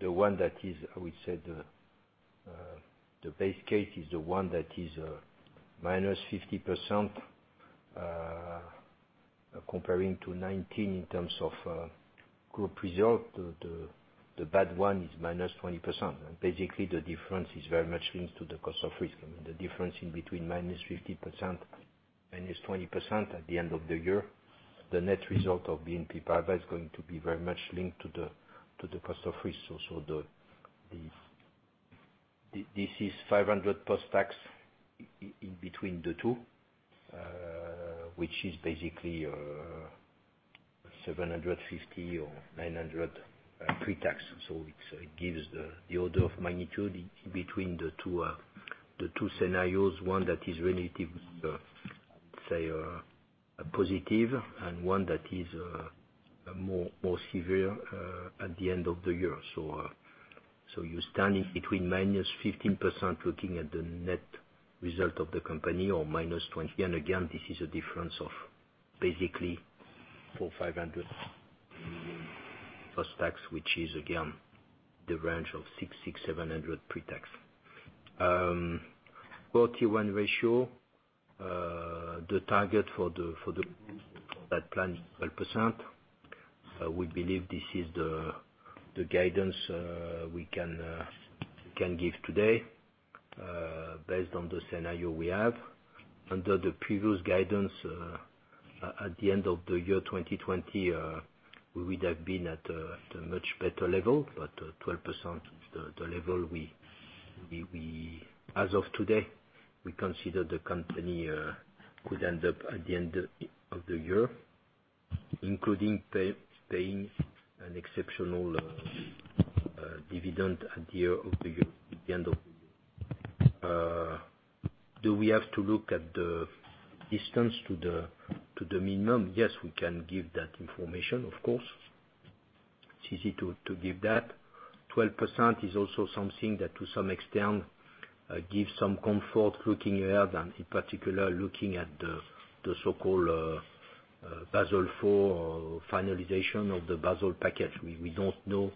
the one that is, I would say, the base case is the one that is -50% comparing to 2019 in terms of group result. The bad one is -20%, the difference is very much linked to the cost of risk. The difference between -50%, -20% at the end of the year, the net result of BNP Paribas is going to be very much linked to the cost of risk. This is 500 million plus tax between the two, which is basically 750 million or 900 million pre-tax. It gives the order of magnitude between the two scenarios, one that is relative positive and one that is more severe at the end of the year. You're standing between -15% looking at the net result of the company or -20%. Again, this is a difference of basically 400 million, 500 million plus tax, which is again the range of 600 million, 700 million pre-tax. Tier 1 ratio, the target for that plan is 12%. We believe this is the guidance we can give today based on the scenario we have. Under the previous guidance, at the end of the year 2020, we would have been at a much better level. 12%, as of today, we consider the company could end up at the end of the year, including paying an exceptional dividend at the end of the year. Do we have to look at the distance to the minimum? Yes, we can give that information, of course. It's easy to give that. 12% is also something that, to some extent, gives some comfort looking ahead, and in particular, looking at the so-called Basel IV finalization of the Basel package. We don't know,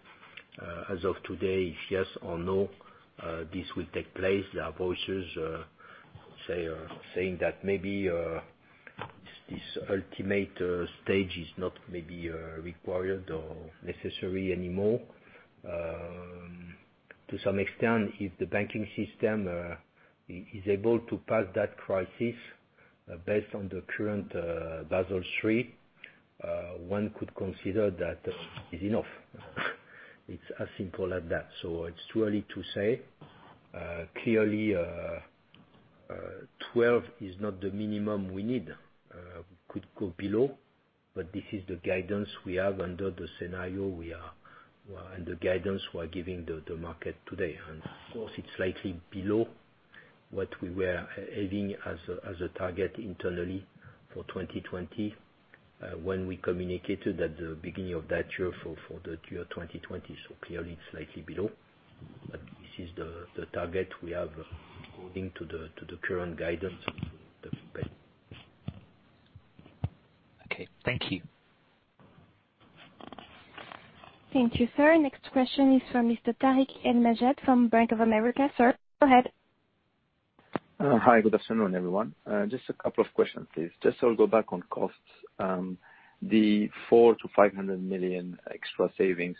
as of today, if yes or no, this will take place. There are voices saying that maybe this ultimate stage is not maybe required or necessary anymore. To some extent, if the banking system is able to pass that crisis based on the current Basel III, one could consider that is enough. It's as simple as that. It's too early to say. Clearly, 12% is not the minimum we need. We could go below, but this is the guidance we have under the scenario we are, and the guidance we are giving the market today. Of course, it's slightly below what we were having as a target internally for 2020 when we communicated at the beginning of that year for the year 2020. Clearly, slightly below. This is the target we have according to the current guidance of the bank. Okay. Thank you. Thank you, sir. Next question is from Mr. Tarik El Mejjad from Bank of America. Sir, go ahead. Hi. Good afternoon, everyone. Just a couple of questions, please. Just I'll go back on costs. The 400 million-500 million extra savings,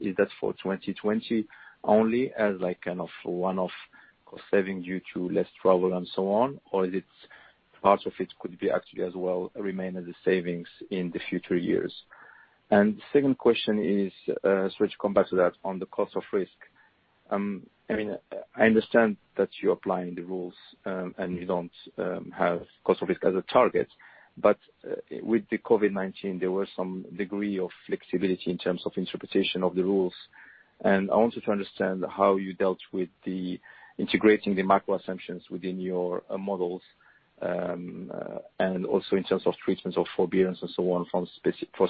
is that for 2020 only as one-off cost saving due to less travel and so on? Part of it could be actually as well remain as the savings in the future years? Second question is, on the cost of risk. I understand that you're applying the rules, and you don't have cost of risk as a target, but with the COVID-19, there were some degree of flexibility in terms of interpretation of the rules. I wanted to understand how you dealt with the integrating the macro assumptions within your models, and also in terms of treatments of forbearance and so on for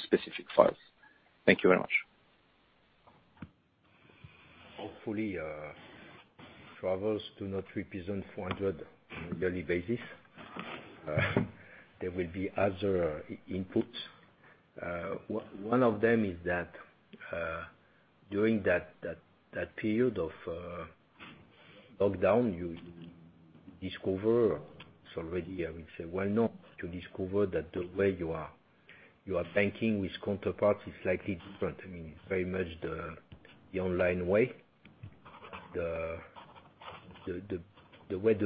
specific files. Thank you very much. Hopefully, travels do not represent 400 million on a yearly basis. There will be other inputs. One of them is that during that period of lockdown, you discover that the way you are banking with counterparts is slightly different. It's very much the online way. The way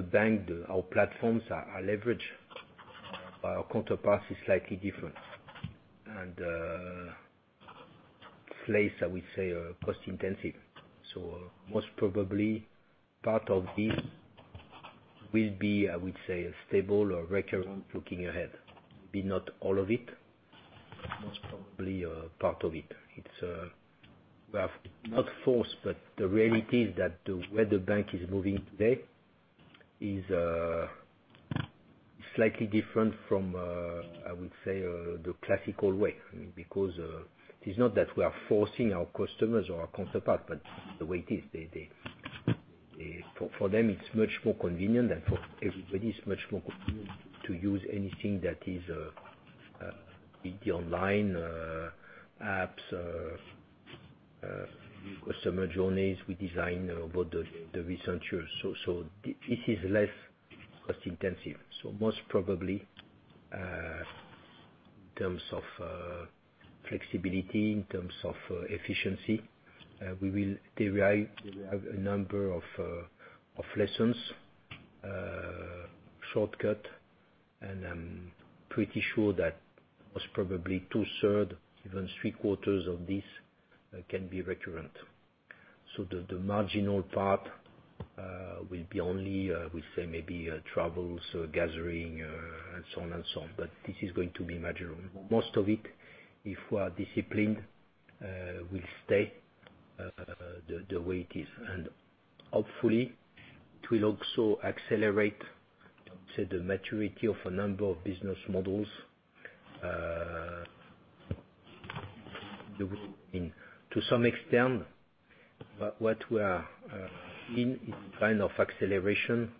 our platforms are leveraged by our counterparts is slightly different. It's less, I would say, cost-intensive. Most probably part of this will be, I would say, stable or recurrent looking ahead. Be not all of it, most probably a part of it. It's not forced, but the reality is that the way the bank is moving today is slightly different from, I would say, the classical way. It is not that we are forcing our customers or our counterpart, but the way it is. For them, it's much more convenient, and for everybody, it's much more convenient to use anything that is the online apps, customer journeys we design over the recent years. This is less cost-intensive. Most probably, in terms of flexibility, in terms of efficiency, we will derive a number of lessons, shortcut, and I'm pretty sure that was probably two-thirds, even three-quarters of this can be recurrent. The marginal part will be only, I would say, maybe travels or gathering, and so on and so on. This is going to be marginal. Most of it, if we are disciplined, will stay the way it is. Hopefully, it will also accelerate, say, the maturity of a number of business models. To some extent, what we are in is kind of acceleration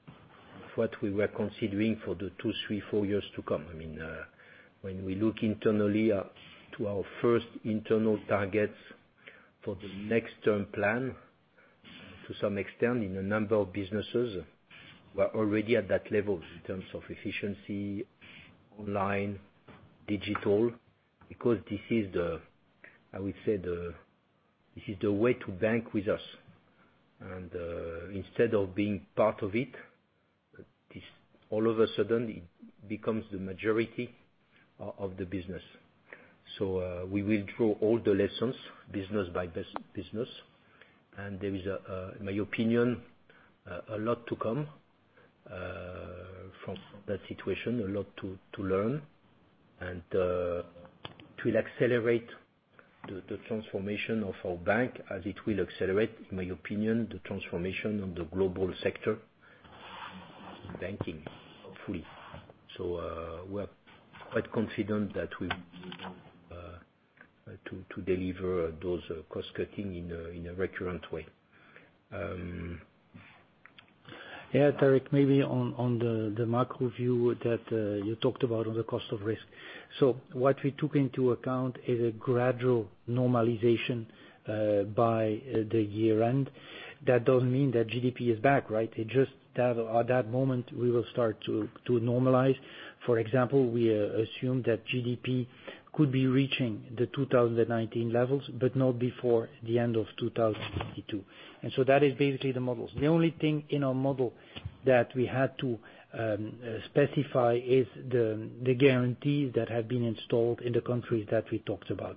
of what we were considering for the two, three, four years to come. When we look internally to our first internal targets for the next term plan, to some extent, in a number of businesses, we're already at that level in terms of efficiency, online, digital, because this is the, I would say, the way to bank with us. Instead of being part of it, all of a sudden it becomes the majority of the business. We will draw all the lessons business by business. There is, in my opinion, a lot to come from that situation, a lot to learn. To accelerate the transformation of our bank as it will accelerate, in my opinion, the transformation on the global sector banking, hopefully. We're quite confident that we'll be able to deliver those cost-cutting in a recurrent way. Yeah, Tarik, maybe on the macro view that you talked about on the cost of risk. What we took into account is a gradual normalization by the year-end. That doesn't mean that GDP is back, right? It just that at that moment, we will start to normalize. For example, we assume that GDP could be reaching the 2019 levels, but not before the end of 2022. That is basically the models. The only thing in our model that we had to specify is the guarantees that have been installed in the countries that we talked about.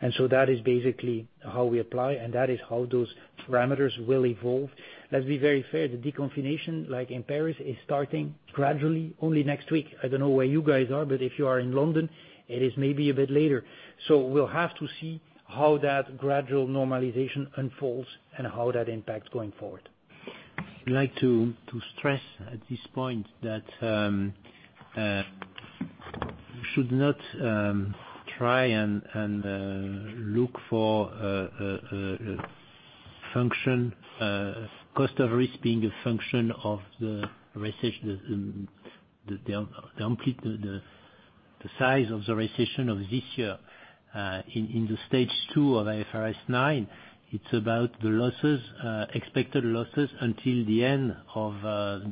That is basically how we apply, and that is how those parameters will evolve. Let's be very fair, the de-confinement, like in Paris, is starting gradually only next week. I don't know where you guys are, but if you are in London, it is maybe a bit later. We'll have to see how that gradual normalization unfolds and how that impacts going forward. I'd like to stress at this point that. We should not try and look for cost of risk being a function of the size of the recession of this year. In the Stage 2 of IFRS 9, it's about the expected losses until the end of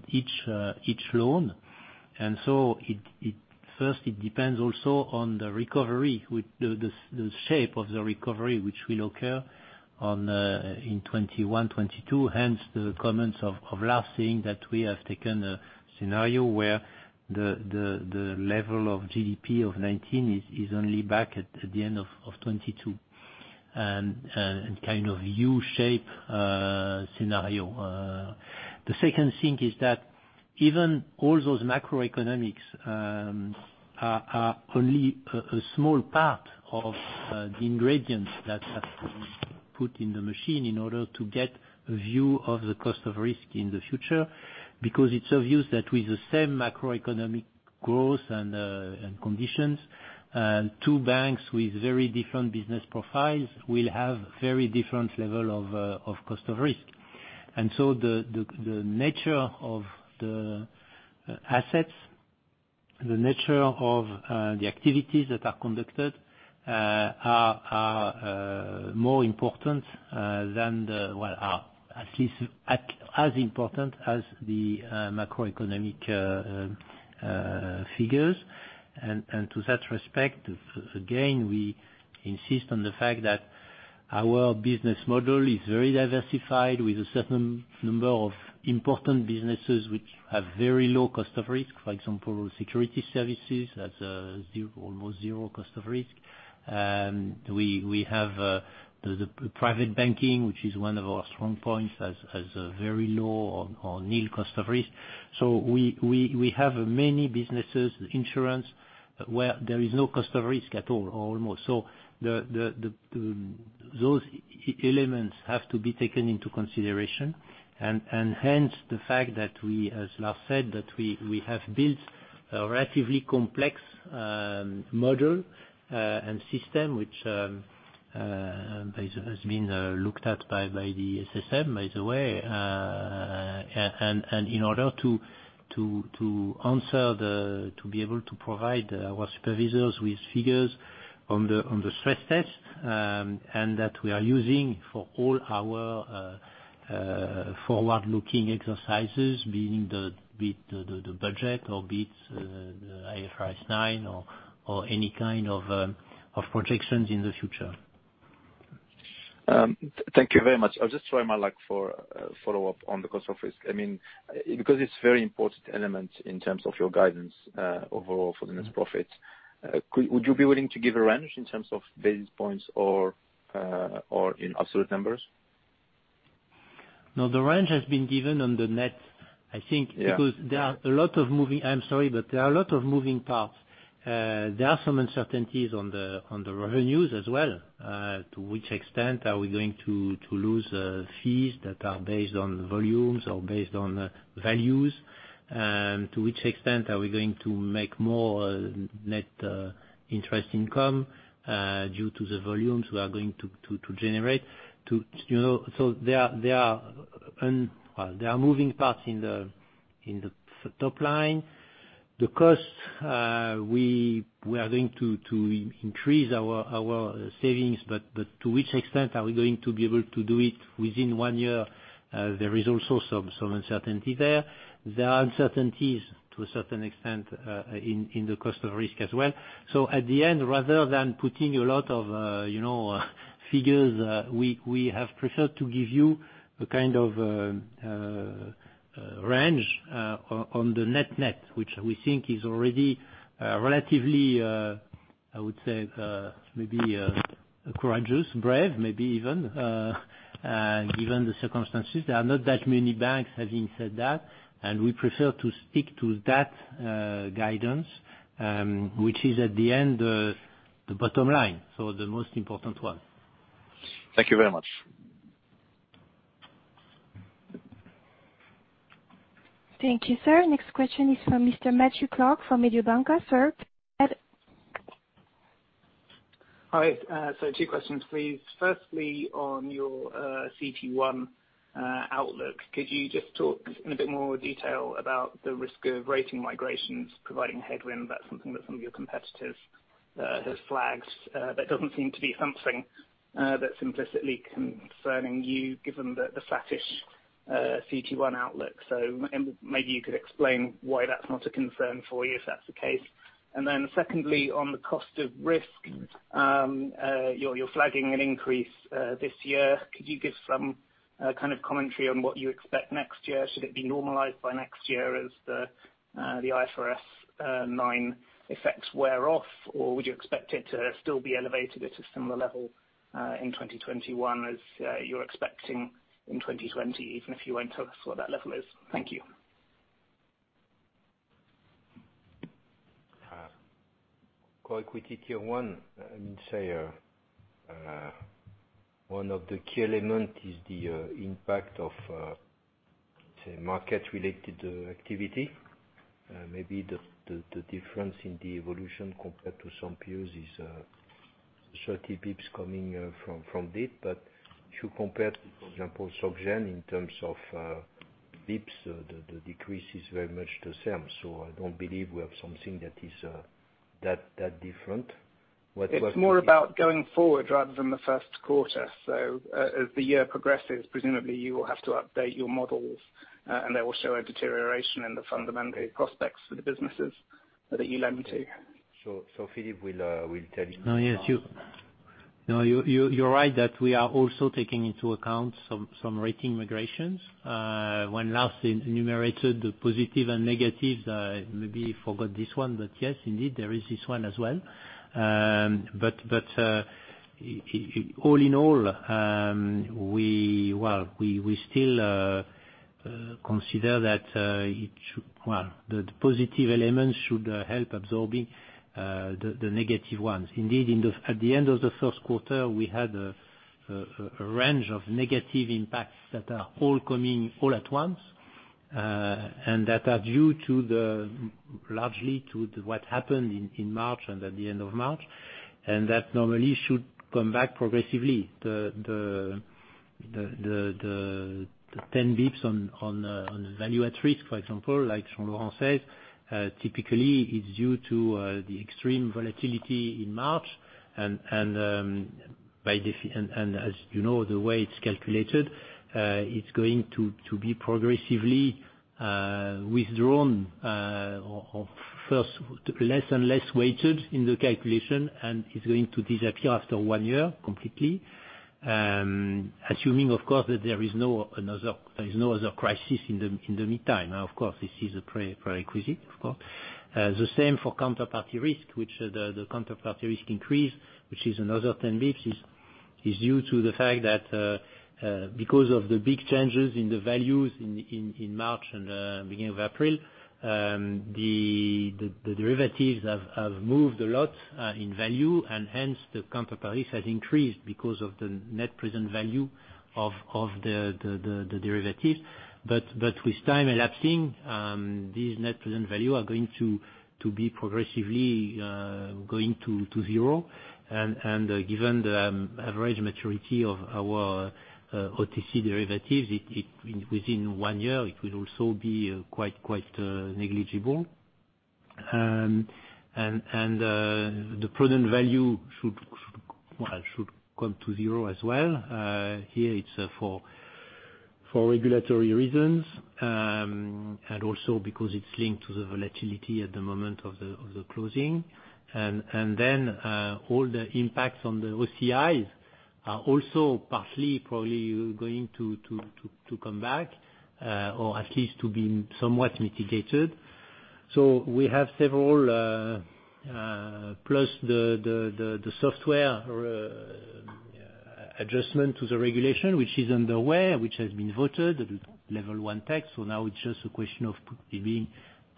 each loan. First, it depends also on the shape of the recovery which will occur in 2021, 2022, hence the comments of Lars saying that we have taken a scenario where the level of GDP of 2019 is only back at the end of 2022, and kind of U-shape scenario. The second thing is that even all those macroeconomics are only a small part of the ingredients that have to be put in the machine in order to get a view of the cost of risk in the future. Because it's of use that with the same macroeconomic growth and conditions, two banks with very different business profiles will have very different level of cost of risk. The nature of the assets, the nature of the activities that are conducted are more important, at least as important as the macroeconomic figures. To that respect, again, we insist on the fact that our business model is very diversified with a certain number of important businesses which have very low cost of risk. For example, security services has almost zero cost of risk. We have the private banking, which is one of our strong points, has a very low or nil cost of risk. We have many businesses, insurance, where there is no cost of risk at all, or almost. Those elements have to be taken into consideration, and hence the fact that, as Lars said, that we have built a relatively complex model and system, which has been looked at by the SSM, by the way, and in order to be able to provide our supervisors with figures on the stress test, and that we are using for all our forward-looking exercises, being the budget or be it the IFRS 9, or any kind of projections in the future. Thank you very much. I'll just try my luck for a follow-up on the cost of risk. Because it's very important element in terms of your guidance overall for the net profit. Would you be willing to give a range in terms of basis points or in absolute numbers? No, the range has been given on the net, I think. Yeah. I'm sorry, there are a lot of moving parts. There are some uncertainties on the revenues as well. To which extent are we going to lose fees that are based on volumes or based on values? To which extent are we going to make more net interest income due to the volumes we are going to generate? There are moving parts in the top line. The cost, we are going to increase our savings, to which extent are we going to be able to do it within one year? There is also some uncertainty there. There are uncertainties to a certain extent in the cost of risk as well. At the end, rather than putting a lot of figures, we have preferred to give you a kind of range on the net net, which we think is already relatively, I would say, maybe courageous, brave, maybe even, given the circumstances. There are not that many banks having said that, and we prefer to stick to that guidance, which is at the end, the bottom line, so the most important one. Thank you very much. Thank you, sir. Next question is from Mr. Matthew Clark from Mediobanca. Sir. Hi. Two questions, please. Firstly, on your CET1 outlook, could you just talk in a bit more detail about the risk of rating migrations providing a headwind? That's something that some of your competitors have flagged. That doesn't seem to be something that's implicitly concerning you, given the flattish CET1 outlook. Maybe you could explain why that's not a concern for you, if that's the case. Secondly, on the cost of risk, you're flagging an increase this year. Could you give some kind of commentary on what you expect next year? Should it be normalized by next year as the IFRS 9 effects wear off, or would you expect it to still be elevated at a similar level in 2021 as you're expecting in 2020, even if you won't tell us what that level is? Thank you. Core equity Tier 1, I mean to say, one of the key elements is the impact of. It's a market-related activity. Maybe the difference in the evolution compared to some peers is 30 basis points coming from it. If you compare to, for example, Société Générale in terms of dips, the decrease is very much the same. I don't believe we have something that different. It's more about going forward rather than the first quarter. As the year progresses, presumably you will have to update your models, and they will show a deterioration in the fundamental prospects for the businesses that you lend to. Philippe will tell you. No, you're right that we are also taking into account some rating migrations. When Lars enumerated the positive and negatives, maybe forgot this one. Yes, indeed, there is this one as well. All in all, we still consider that the positive elements should help absorbing the negative ones. Indeed, at the end of the first quarter, we had a range of negative impacts that are all coming all at once, that are due largely to what happened in March and at the end of March, that normally should come back progressively. The 10 basis points on the value at risk, for example, like Jean-Laurent says, typically it's due to the extreme volatility in March, and as you know, the way it's calculated, it's going to be progressively withdrawn or first less and less weighted in the calculation, and it's going to disappear after one year completely, assuming, of course, that there is no other crisis in the meantime. Now, of course, this is a prerequisite, of course. The same for counterparty risk, which the counterparty risk increase, which is another 10 basis points, is due to the fact that because of the big changes in the values in March and beginning of April, the derivatives have moved a lot in value, and hence the counterparty risk has increased because of the net present value of the derivatives. With time elapsing, these net present value are going to be progressively going to zero. Given the average maturity of our OTC derivatives, within one year, it will also be quite negligible. The present value should come to zero as well. Here it's for regulatory reasons, and also because it's linked to the volatility at the moment of the closing. All the impacts on the OCIs are also partly probably going to come back, or at least to be somewhat mitigated. We have several plus the software adjustment to the regulation, which is underway, which has been voted Level 1 text. Now it's just a question of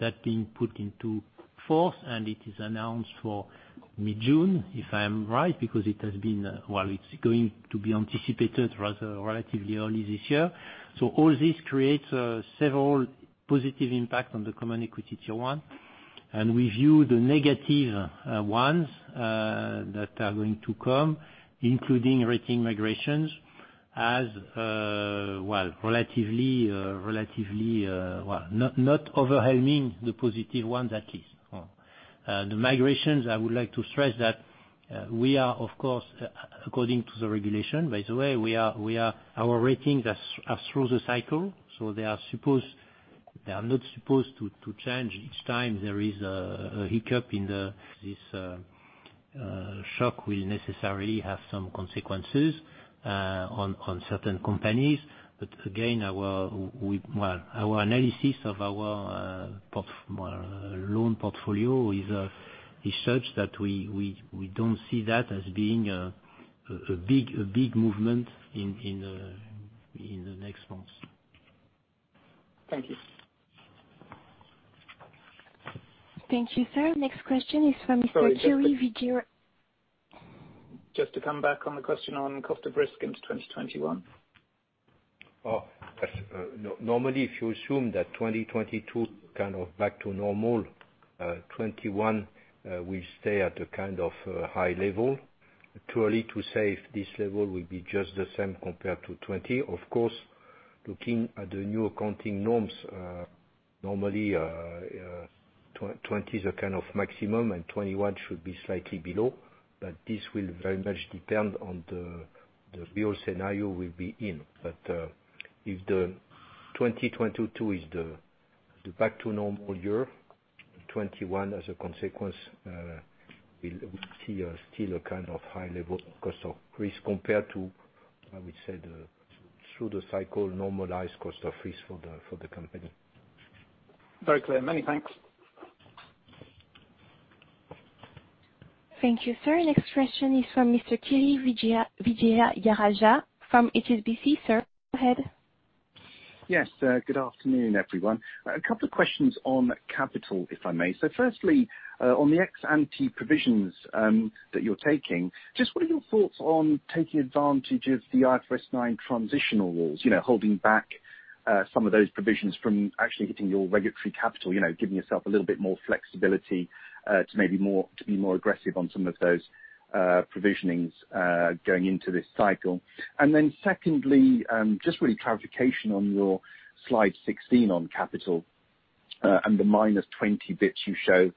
that being put into force, and it is announced for mid-June, if I'm right, because it's going to be anticipated rather relatively early this year. All this creates several positive impact on the common equity Tier 1, we view the negative ones that are going to come, including rating migrations as not overwhelming the positive ones, at least. The migrations, I would like to stress that we are, of course, according to the regulation, by the way, our ratings are through the cycle, so they are not supposed to change each time there is a hiccup. This shock will necessarily have some consequences on certain companies. Again, our analysis of our loan portfolio is such that we don't see that as being a big movement in the next months. Thank you. Thank you, sir. Next question is from Mr. Kirishanthan Vijay- Sorry, just to come back on the question on cost of risk into 2021. Normally, if you assume that 2022 kind of back to normal, 2021 will stay at a kind of high level. Too early to say if this level will be just the same compared to 2020. Of course, looking at the new accounting norms, normally, 2020 is a kind of maximum and 2021 should be slightly below. This will very much depend on the real scenario we'll be in. If the 2022 is the back to normal year, 2021, as a consequence, we see still a kind of high level cost of risk compared to, I would say, through the cycle normalized cost of risk for the company. Very clear. Many thanks. Thank you, sir. Next question is from Mr. Kirishanthan Vijayarajah from HSBC. Sir, go ahead. Yes. Good afternoon, everyone. A couple of questions on capital, if I may. Firstly, on the ex-ante provisions that you're taking, just what are your thoughts on taking advantage of the IFRS 9 transitional rules, holding back some of those provisions from actually hitting your regulatory capital, giving yourself a little bit more flexibility to be more aggressive on some of those provisionings going into this cycle. Secondly, just really clarification on your slide 16 on capital, and the minus 20 basis points you show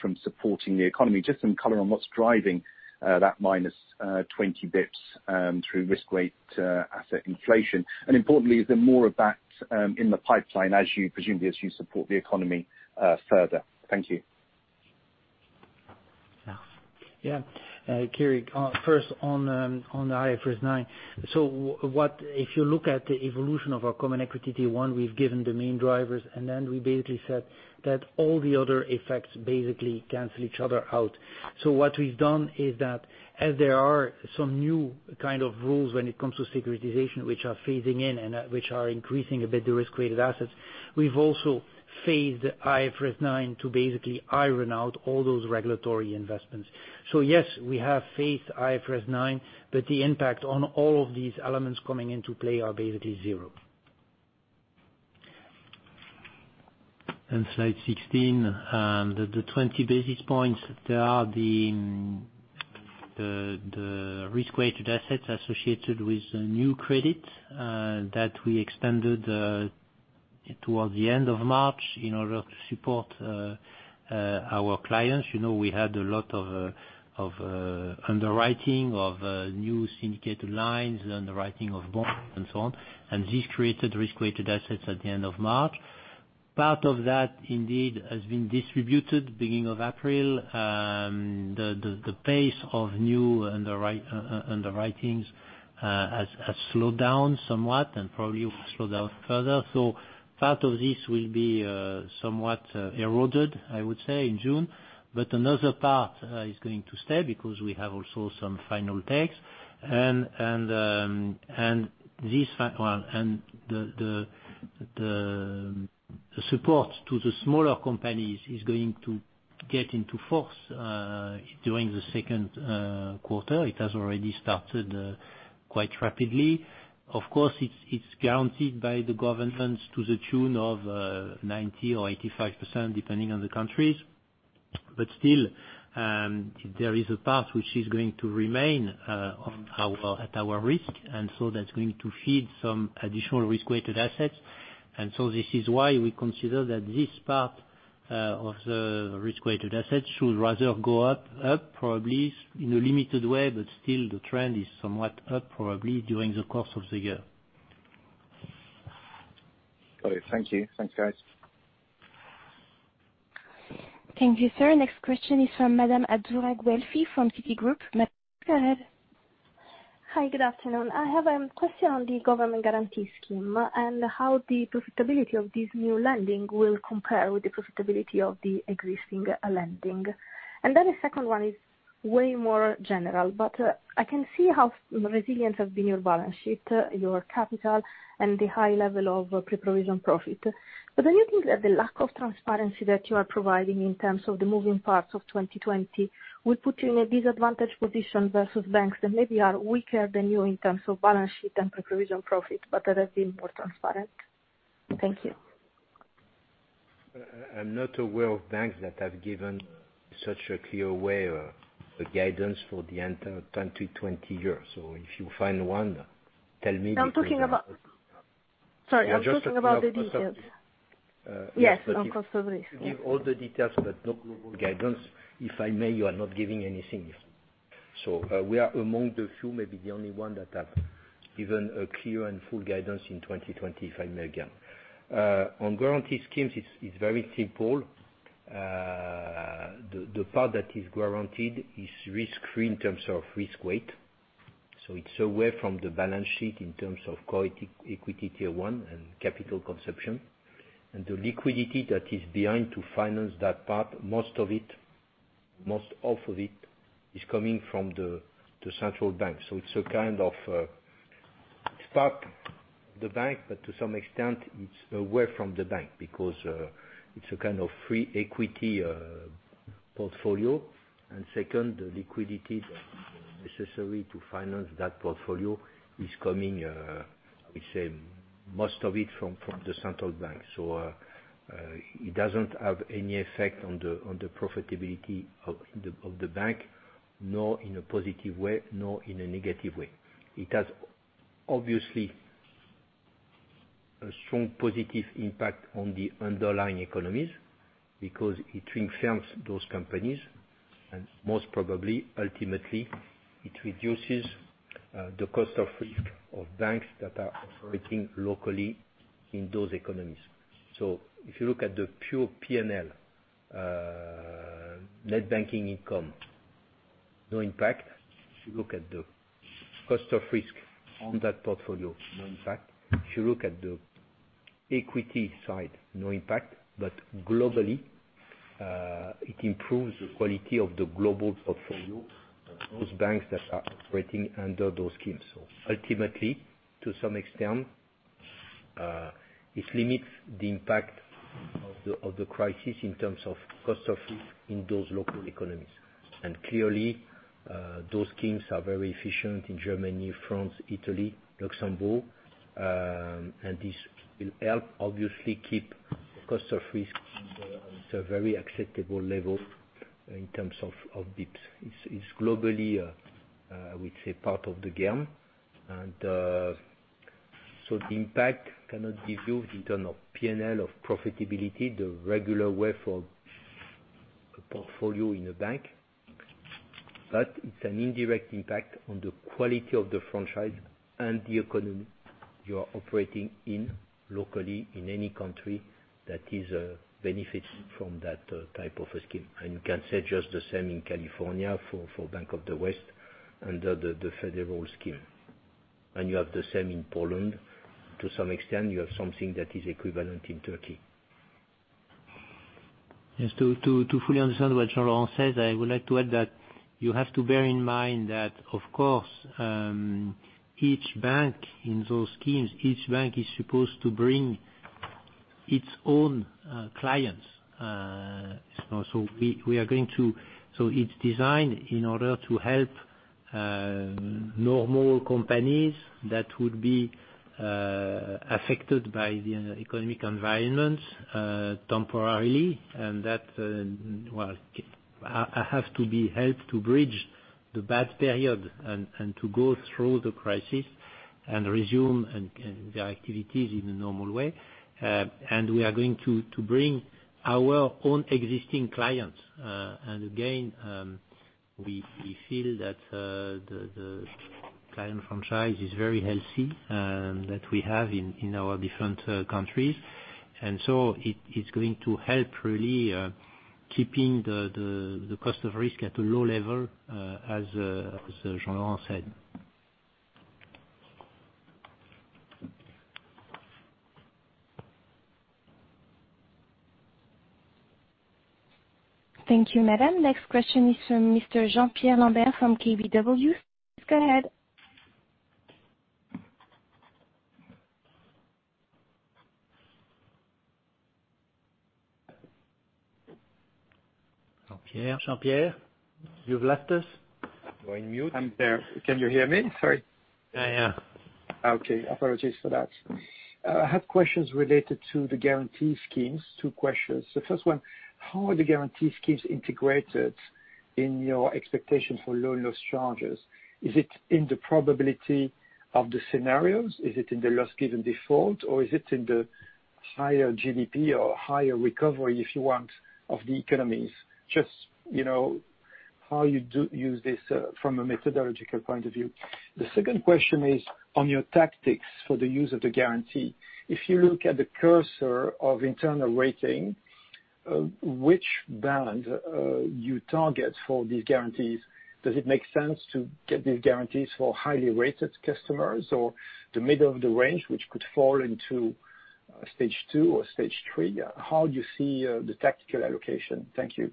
from supporting the economy, just some color on what's driving that minus 20 basis points through risk-weighted asset inflation. Importantly, is there more of that in the pipeline, presumably as you support the economy further. Thank you. Yeah. Kiri, first on IFRS 9. If you look at the evolution of our common equity, T1, we've given the main drivers, and then we basically said that all the other effects basically cancel each other out. What we've done is that, as there are some new kind of rules when it comes to securitization, which are phasing in and which are increasing a bit the risk-weighted assets, we've also phased IFRS 9 to basically iron out all those regulatory investments. Yes, we have phased IFRS 9, but the impact on all of these elements coming into play are basically zero. Slide 16, the 20 basis points, they are the risk-weighted assets associated with new credit that we extended towards the end of March in order to support our clients. We had a lot of underwriting of new syndicated lines, underwriting of bonds, and so on. This created risk-weighted assets at the end of March. Part of that indeed has been distributed beginning of April. The pace of new underwritings has slowed down somewhat, and probably will slow down further. Part of this will be somewhat eroded, I would say, in June. Another part is going to stay, because we have also some final takes. The support to the smaller companies is going to get into force during the second quarter. It has already started quite rapidly. Of course, it's guaranteed by the governments to the tune of 90% or 85%, depending on the countries. Still, there is a part which is going to remain at our risk, and so that's going to feed some additional risk-weighted assets. This is why we consider that this part of the risk-weighted assets should rather go up, probably in a limited way, but still the trend is somewhat up, probably during the course of the year. Got it. Thank you. Thanks, guys. Thank you, sir. Next question is from Madame Azzurra Guelfi from Citigroup. Madame, go ahead. Hi, good afternoon. I have a question on the government guarantee scheme, and how the profitability of this new lending will compare with the profitability of the existing lending. The second one is way more general, but I can see how resilient has been your balance sheet, your capital, and the high level of pre-provision profit. Don't you think that the lack of transparency that you are providing in terms of the moving parts of 2020 will put you in a disadvantaged position versus banks that maybe are weaker than you in terms of balance sheet and pre-provision profit, but that have been more transparent? Thank you. I'm not aware of banks that have given such a clear way or guidance for the entire 2020 year. If you find one, tell me. I'm talking about, sorry, I'm talking about the details. Yes, on cost of risk. If you give all the details but no global guidance, if I may, you are not giving anything. We are among the few, maybe the only one that have given a clear and full guidance in 2020, if I may again. On guarantee schemes, it's very simple. The part that is guaranteed is risk-free in terms of risk weight. It's away from the balance sheet in terms of CET1 and capital consumption. The liquidity that is behind to finance that part, most of it is coming from the Central Bank. It's part the bank, but to some extent, it's away from the bank because it's a kind of free equity portfolio. Second, the liquidity that is necessary to finance that portfolio is coming, we say, most of it from the central bank. It doesn't have any effect on the profitability of the bank, nor in a positive way, nor in a negative way. It has obviously a strong positive impact on the underlying economies, because it strengthens those companies, and most probably, ultimately, it reduces the cost of risk of banks that are operating locally in those economies. If you look at the pure P&L, net banking income, no impact. If you look at the cost of risk on that portfolio, no impact. If you look at the Equity side, no impact, but globally, it improves the quality of the global portfolio, those banks that are operating under those schemes. Ultimately, to some extent, it limits the impact of the crisis in terms of cost of it in those local economies. Clearly, those schemes are very efficient in Germany, France, Italy, Luxembourg. This will help obviously keep cost of risk at a very acceptable level in terms of GDPs. It's globally, I would say, part of the game. The impact cannot be viewed in terms of P&L, of profitability, the regular way for a portfolio in a bank, but it's an indirect impact on the quality of the franchise and the economy you are operating in locally in any country that benefits from that type of a scheme. You can say just the same in California for Bank of the West under the federal scheme. You have the same in Poland. To some extent, you have something that is equivalent in Turkey. To fully understand what Jean-Laurent says, I would like to add that you have to bear in mind that, of course, each bank in those schemes, each bank is supposed to bring its own clients. It's designed in order to help normal companies that would be affected by the economic environment temporarily, that have to be helped to bridge the bad period and to go through the crisis and resume their activities in a normal way. We are going to bring our own existing clients. Again, we feel that the client franchise is very healthy that we have in our different countries. It is going to help really keeping the cost of risk at a low level, as Jean-Laurent said. Thank you, Madame. Next question is from Mr. Jean-Pierre Lambert from KBW. Go ahead. Jean-Pierre? You've left us. You are on mute. I'm there. Can you hear me? Sorry. I am. Okay. Apologies for that. I have questions related to the guarantee schemes. Two questions. The first one, how are the guarantee schemes integrated in your expectation for loan loss charges? Is it in the probability of the scenarios? Is it in the loss given default, or is it in the higher GDP or higher recovery, if you want, of the economies? Just how you use this from a methodological point of view. The second question is on your tactics for the use of the guarantee. If you look at the curve of internal rating, which band you target for these guarantees, does it make sense to get these guarantees for highly rated customers or the middle of the range, which could fall into Stage 2 or Stage 3? How do you see the tactical allocation? Thank you.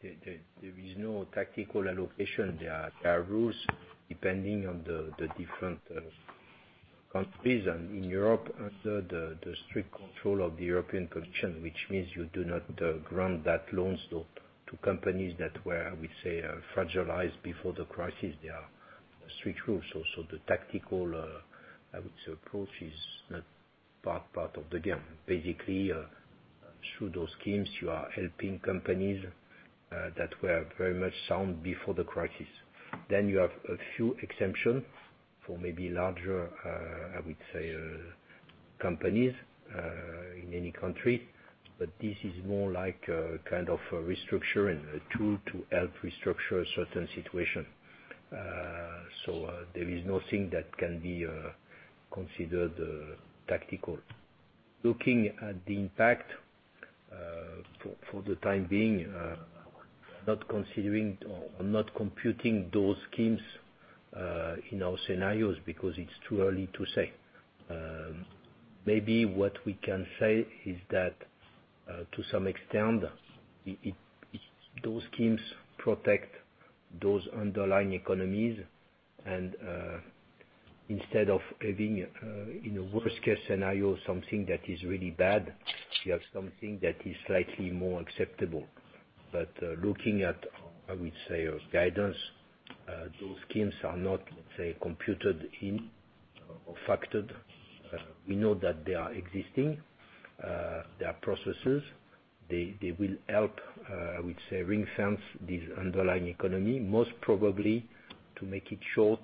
There is no tactical allocation. There are rules depending on the different countries and in Europe under the strict control of the European Commission, which means you do not grant those loans to companies that were, we say, are fragilized before the crisis. There are strict rules. The tactical, I would say, approach is not part of the game. Basically, through those schemes, you are helping companies that were very much sound before the crisis. You have a few exemptions for maybe larger, I would say, companies in any country, but this is more like a kind of a restructuring tool to help restructure a certain situation. There is nothing that can be considered tactical. Looking at the impact for the time being, not computing those schemes in our scenarios because it's too early to say. Maybe what we can say is that, to some extent, those schemes protect those underlying economies, and instead of having in a worst-case scenario something that is really bad, you have something that is slightly more acceptable. Looking at, I would say, guidance, those schemes are not, let's say, computed in or factored. We know that they are existing. There are processes. They will help, I would say, ring-fence this underlying economy, most probably to make it short.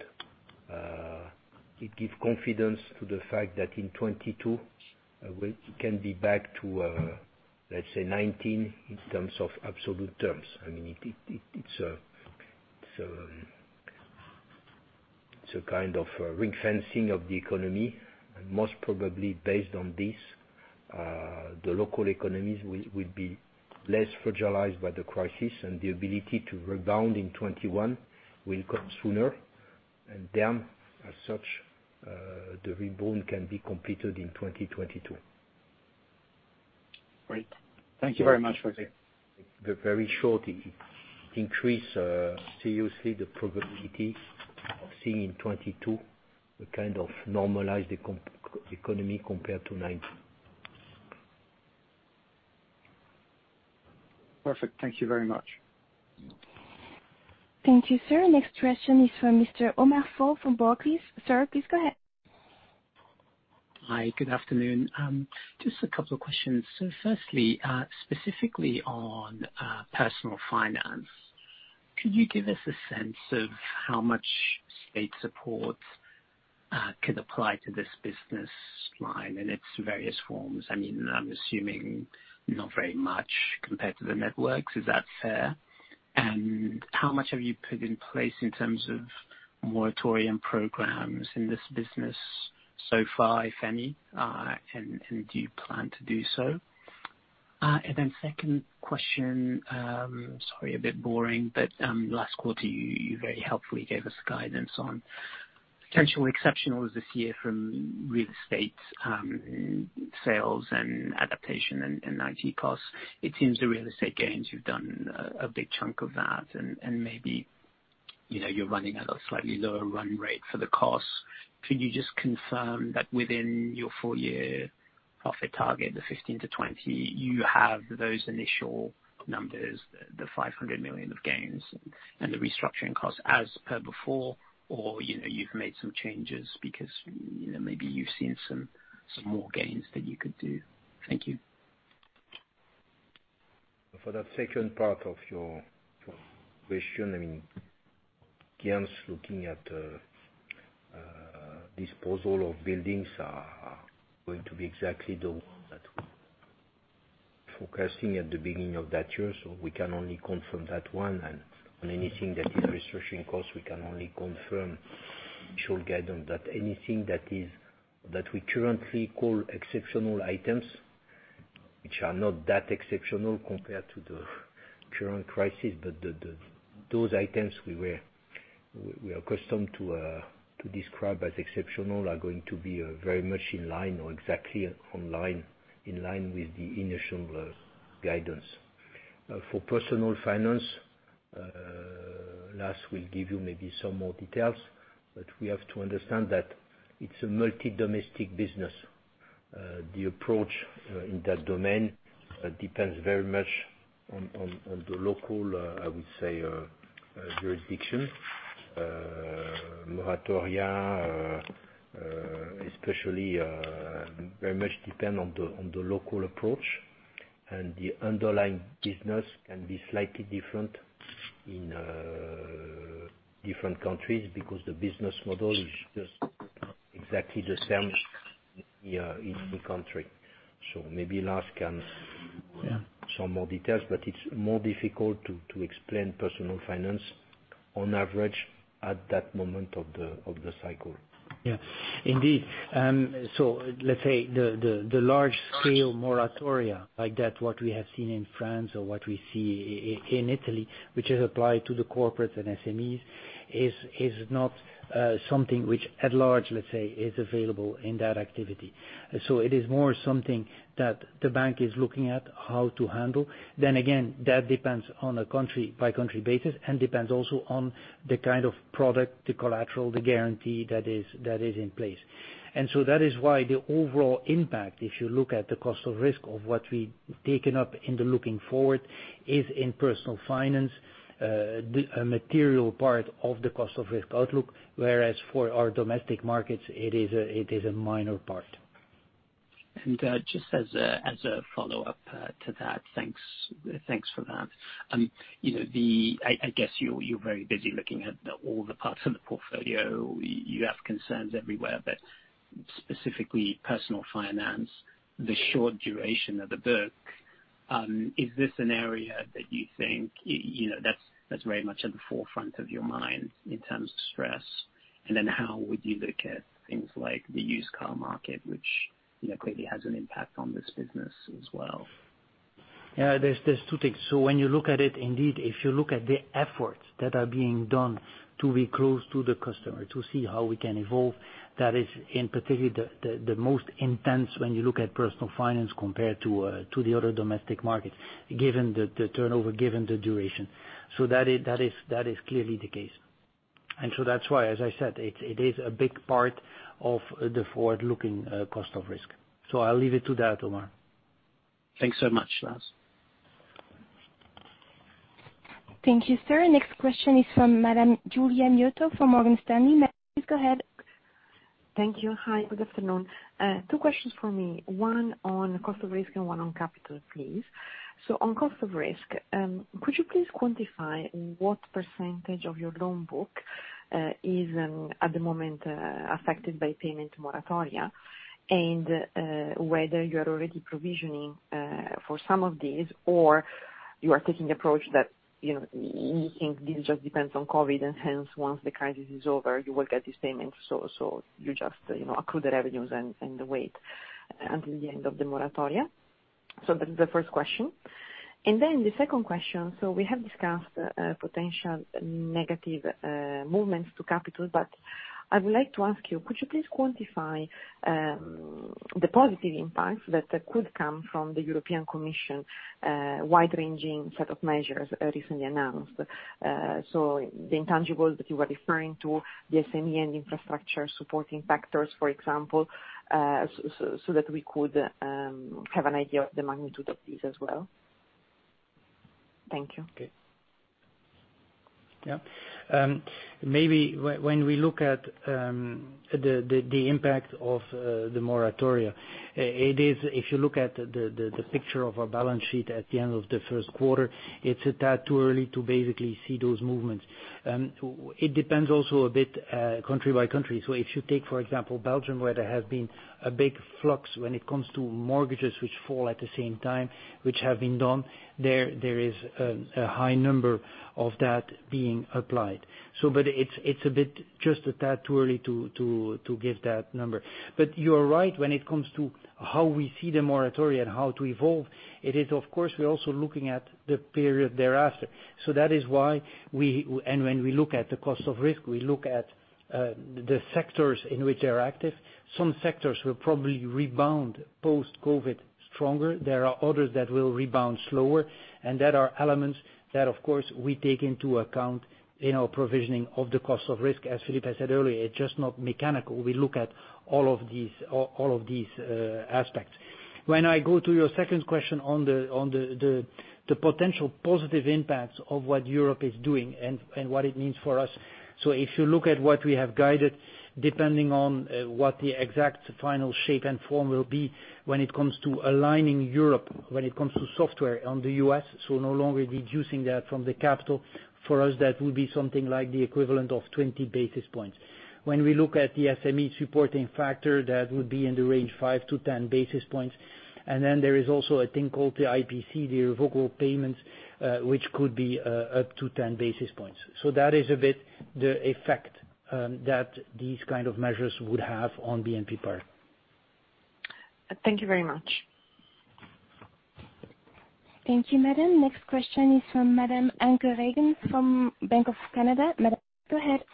It gives confidence to the fact that in 2022, we can be back to, let's say, 2019 in terms of absolute terms. It's a kind of ring-fencing of the economy, most probably based on this. The local economies will be less fragilized by the crisis, and the ability to rebound in 2021 will come sooner and then, as such, the rebound can be completed in 2022. Great. Thank you very much, Philippe. The very short increase, seriously, the probability of seeing in 2022, the kind of normalized economy compared to 2019. Perfect. Thank you very much. Thank you, sir. Next question is from Mr. Omar Fall from Barclays. Sir, please go ahead. Hi, good afternoon. Just a couple of questions. Firstly, specifically on Personal Finance, could you give us a sense of how much state support could apply to this business line in its various forms? I am assuming not very much compared to the networks. Is that fair? How much have you put in place in terms of moratorium programs in this business so far, if any, and do you plan to do so? Second question, sorry, a bit boring, last quarter, you very helpfully gave us guidance on potential exceptionals this year from real estate sales and adaptation in IT costs. It seems the real estate gains, you have done a big chunk of that and maybe you are running at a slightly lower run rate for the costs. Could you just confirm that within your four-year profit target, the 15 to 20, you have those initial numbers, the 500 million of gains and the restructuring costs as per before or you've made some changes because maybe you've seen some more gains that you could do. Thank you. For that second part of your question, gains looking at disposal of buildings are going to be exactly the ones that we're forecasting at the beginning of that year, so we can only confirm that one. On anything that is restructuring costs, we can only confirm initial guidance that anything that we currently call exceptional items, which are not that exceptional compared to the current crisis, but those items we are accustomed to describe as exceptional are going to be very much in line or exactly in line with the initial guidance. For Personal Finance, Lars will give you maybe some more details, but we have to understand that it's a multi-domestic business. The approach in that domain depends very much on the local, I would say, jurisdiction. Moratoria, especially, very much depend on the local approach. The underlying business can be slightly different in different countries because the business model is just exactly the same in each country. Maybe Lars can give some more details, but it's more difficult to explain Personal Finance on average at that moment of the cycle. Yeah. Indeed. Let's say the large-scale moratoria like that what we have seen in France or what we see in Italy, which is applied to the corporates and SMEs, is not something which at large, let's say, is available in that activity. It is more something that the bank is looking at how to handle. Again, that depends on a country-by-country basis and depends also on the kind of product, the collateral, the guarantee that is in place. That is why the overall impact, if you look at the cost of risk of what we've taken up in the looking forward, is in Personal Finance, a material part of the cost of risk outlook, whereas for our domestic markets, it is a minor part. Just as a follow-up to that, thanks for that. I guess you're very busy looking at all the parts of the portfolio. You have concerns everywhere, but specifically Personal Finance, the short duration of the book, is this an area that you think that's very much at the forefront of your mind in terms of stress? How would you look at things like the used car market, which greatly has an impact on this business as well? Yeah, there's two things. When you look at it, indeed, if you look at the efforts that are being done to be close to the customer, to see how we can evolve, that is, in particular, the most intense when you look at Personal Finance compared to the other domestic markets, given the turnover, given the duration. That is clearly the case. That's why, as I said, it is a big part of the forward-looking cost of risk. I'll leave it to that, Omar. Thanks so much, Lars. Thank you, sir. Next question is from Madame Giulia Miotto from Morgan Stanley. Madame, please go ahead. Thank you. Hi, good afternoon. Two questions from me, one on cost of risk and one on capital, please. On cost of risk, could you please quantify what percentage of your loan book is, at the moment, affected by payment moratoria, and whether you are already provisioning for some of these or you are taking the approach that you think this just depends on COVID, and hence, once the crisis is over, you will get this payment. You just accrue the revenues and the wait until the end of the moratoria. That is the first question. The second question, we have discussed potential negative movements to capital, but I would like to ask you, could you please quantify the positive impacts that could come from the European Commission wide-ranging set of measures recently announced? The intangibles that you were referring to, the SME and infrastructure supporting factors, for example, so that we could have an idea of the magnitude of these as well. Thank you. Okay. Maybe when we look at the impact of the moratoria, if you look at the picture of our balance sheet at the end of the first quarter, it's a tad too early to basically see those movements. It depends also a bit country by country. If you take, for example, Belgium, where there has been a big flux when it comes to mortgages, which fall at the same time, which have been done, there is a high number of that being applied. It's a bit just a tad too early to give that number. You're right, when it comes to how we see the moratoria and how to evolve, it is, of course, we're also looking at the period thereafter. That is why when we look at the cost of risk, we look at the sectors in which they're active. Some sectors will probably rebound post-COVID stronger. There are others that will rebound slower. That are elements that, of course, we take into account in our provisioning of the cost of risk. As Philippe has said earlier, it's just not mechanical. We look at all of these aspects. When I go to your second question on the potential positive impacts of what Europe is doing and what it means for us. If you look at what we have guided, depending on what the exact final shape and form will be when it comes to aligning Europe, when it comes to software on the U.S., no longer deducing that from the capital, for us, that would be something like the equivalent of 20 basis points. When we look at the SME supporting factor, that would be in the range 5-10 basis points. There is also a thing called the IPC, the Irrevocable Payment Commitment, which could be up to 10 basis points. That is a bit the effect that these kind of measures would have on BNP Paribas. Thank you very much. Thank you, Madam. Next question is from Madam Anke Reingen from RBC Capital Markets. Madam, go ahead.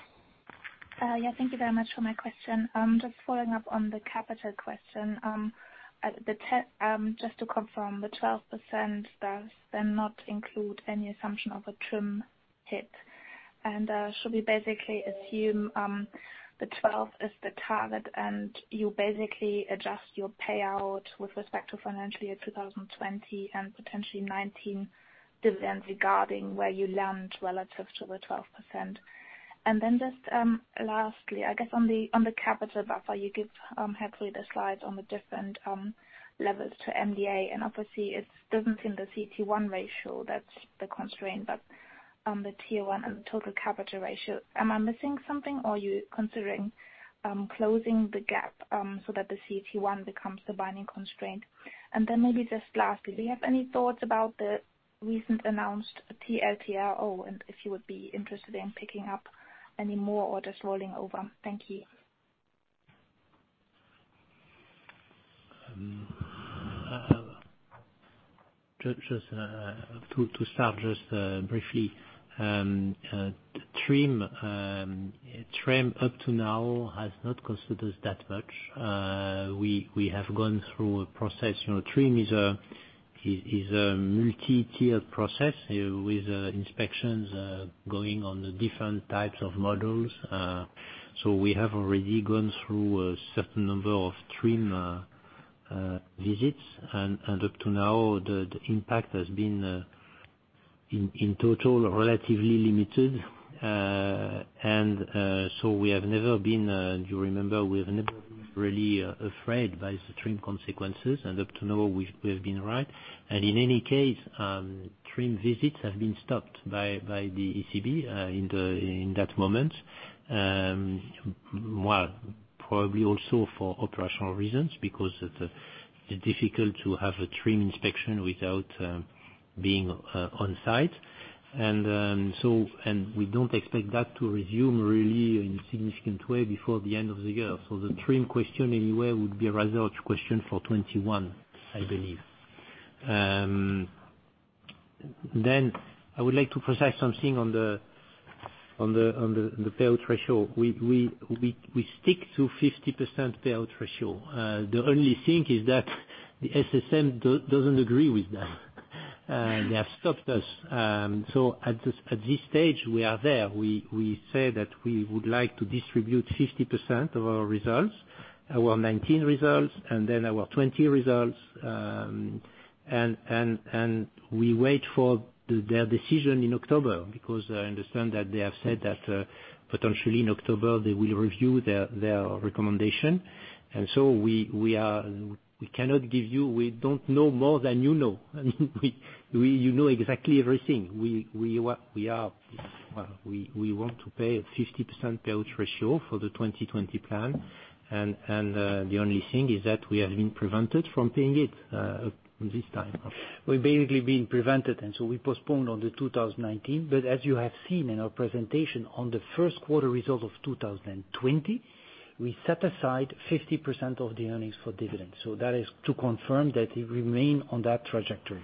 Yeah. Thank you very much for my question. Just following up on the capital question. Just to confirm, the 12% does then not include any assumption of a TRIM hit. Should we basically assume the 12 is the target, and you basically adjust your payout with respect to financial year 2020 and potentially 2019 dividends regarding where you land relative to the 12%? Just lastly, I guess on the capital buffer, you give hopefully the slides on the different levels to MDA, and obviously it doesn't seem the CET1 ratio that's the constraint, but the tier 1 and the total capital ratio. Am I missing something or are you considering closing the gap so that the CET1 becomes the binding constraint? Maybe just lastly, do you have any thoughts about the recent announced TLTRO and if you would be interested in picking up any more orders rolling over? Thank you. To start just briefly, TRIM up to now has not cost us that much. We have gone through a process. TRIM is a multi-tiered process with inspections going on the different types of models. We have already gone through a certain number of TRIM visits, up to now, the impact has been, in total, relatively limited. We have never been, you remember, we have never been really afraid by the TRIM consequences, up to now, we've been right. In any case, TRIM visits have been stopped by the ECB in that moment. Well, probably also for operational reasons because it's difficult to have a TRIM inspection without being on-site. We don't expect that to resume really in a significant way before the end of the year. The TRIM question, anyway, would be a rather question for 2021, I believe. I would like to precise something on the payout ratio. We stick to 50% payout ratio. The only thing is that the SSM doesn't agree with that. They have stopped us. At this stage, we are there. We say that we would like to distribute 50% of our results, our 2019 results, and then our 2020 results. We wait for their decision in October because I understand that they have said that potentially in October they will review their recommendation. We cannot give you, we don't know more than you know. You know exactly everything. We want to pay a 50% payout ratio for the 2020 plan, and the only thing is that we have been prevented from paying it this time. We're basically being prevented, we postponed on the 2019. As you have seen in our presentation on the first quarter result of 2020, we set aside 50% of the earnings for dividends. That is to confirm that we remain on that trajectory.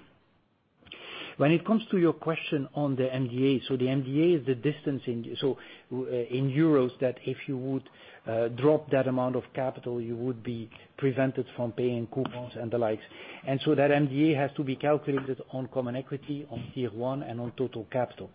When it comes to your question on the MDA, the MDA is the distance in Euros that if you would drop that amount of capital, you would be prevented from paying coupons and the likes. That MDA has to be calculated on common equity, on Tier 1, and on total capital.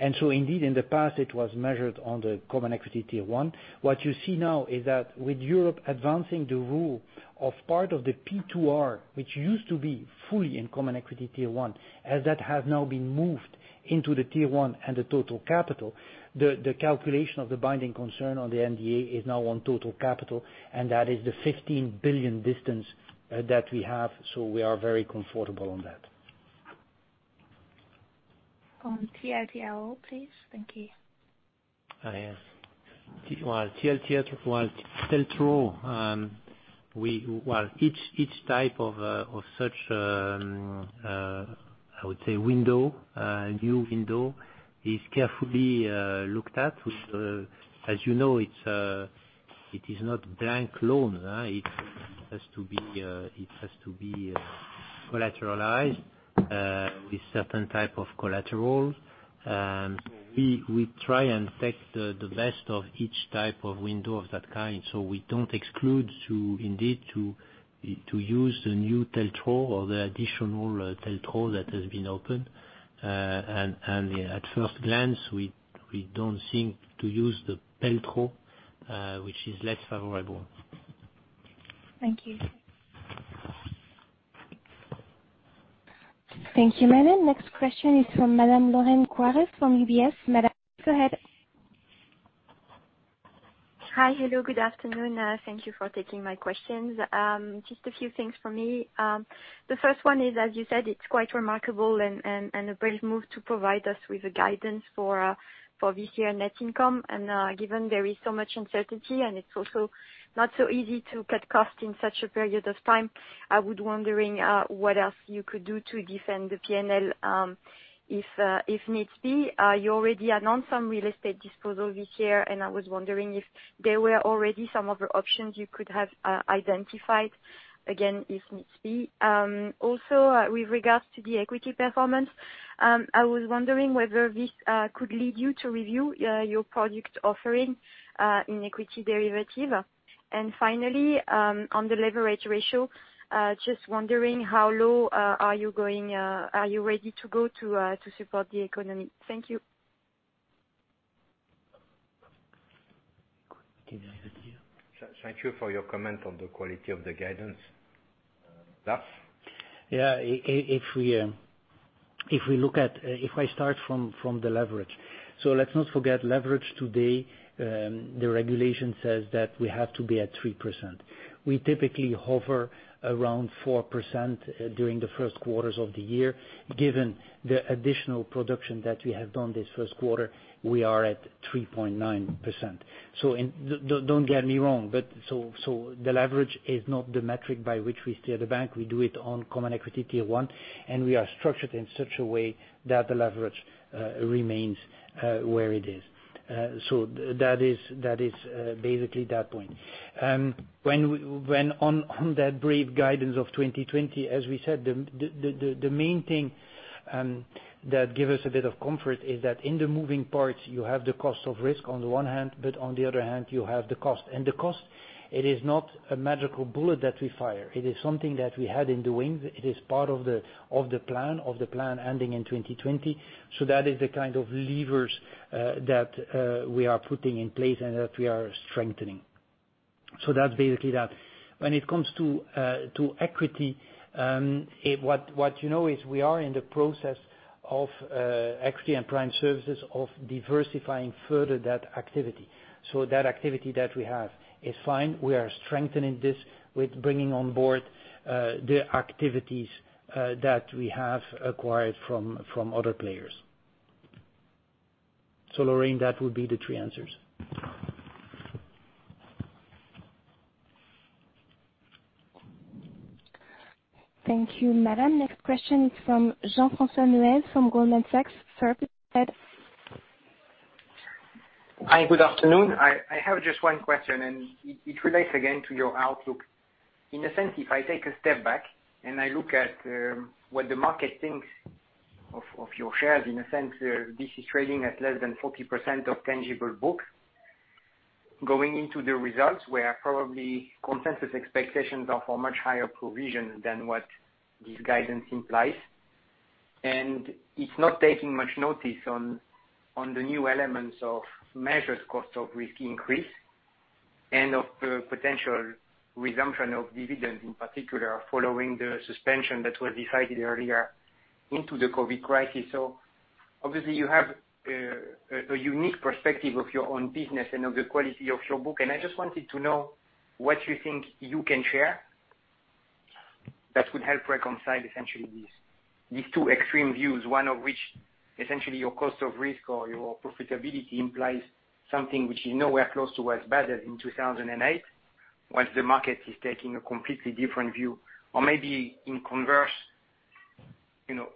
Indeed, in the past it was measured on the common equity Tier 1. What you see now is that with Europe advancing the rule of part of the P2R, which used to be fully in Common Equity Tier 1, as that has now been moved into the Tier 1 and the total capital, the calculation of the binding concern on the MDA is now on total capital, and that is the 15 billion distance that we have. We are very comfortable on that. On TLTRO, please. Thank you. Yes. TLTRO, each type of such, I would say, window, new window is carefully looked at. As you know, it is not blank loan. It has to be collateralized with certain type of collaterals. We try and take the best of each type of window of that kind. We don't exclude indeed to use the new TLTRO or the additional TLTRO that has been opened. At first glance, we don't think to use the TLTRO, which is less favorable. Thank you. Thank you, Madame. Next question is from Madame Lorraine Quoirez from UBS. Madame, go ahead. Hi. Hello. Good afternoon. Thank you for taking my questions. Just a few things from me. The first one is, as you said, it's quite remarkable and a brave move to provide us with a guidance for this year net income. Given there is so much uncertainty, and it's also not so easy to cut costs in such a period of time, I was wondering what else you could do to defend the P&L, if needs be. You already announced some real estate disposal this year, and I was wondering if there were already some other options you could have identified, again, if needs be. Also, with regards to the equity performance, I was wondering whether this could lead you to review your product offering in equity derivative. Finally, on the leverage ratio, just wondering how low are you ready to go to support the economy. Thank you. Did I hear? Thank you for your comment on the quality of the guidance. Lars? Yeah. If I start from the leverage. Let's not forget, leverage today, the regulation says that we have to be at 3%. We typically hover around 4% during the first quarters of the year. Given the additional production that we have done this first quarter, we are at 3.9%. Don't get me wrong, but the leverage is not the metric by which we steer the bank. We do it on Common Equity Tier 1, and we are structured in such a way that the leverage remains where it is. That is basically that point. On that brief guidance of 2020, as we said, the main thing that give us a bit of comfort is that in the moving parts you have the cost of risk on the one hand, but on the other hand, you have the cost. The cost, it is not a magical bullet that we fire. It is something that we had in the wings. It is part of the plan ending in 2020. That is the kind of levers that we are putting in place and that we are strengthening. That's basically that. When it comes to equity, what you know is we are in the process of, actually in prime services, of diversifying further that activity. That activity that we have is fine. We are strengthening this with bringing on board the activities that we have acquired from other players. Lorraine, that would be the three answers. Thank you, Madame. Next question is from Jean-François Neuez from Goldman Sachs. Sir, please go ahead. Hi, good afternoon. I have just one question, and it relates again to your outlook. In a sense, if I take a step back and I look at what the market thinks of your shares, in a sense, this is trading at less than 40% of tangible book. Going into the results, where probably consensus expectations are for much higher provision than what this guidance implies, and it's not taking much notice on the new elements of measures cost of risk increase, and of the potential resumption of dividends, in particular, following the suspension that was decided earlier into the COVID crisis. Obviously you have a unique perspective of your own business and of the quality of your book, and I just wanted to know what you think you can share that would help reconcile essentially these two extreme views, one of which, essentially your cost of risk or your profitability implies something which is nowhere close to what's budgeted in 2008, once the market is taking a completely different view. Maybe in converse,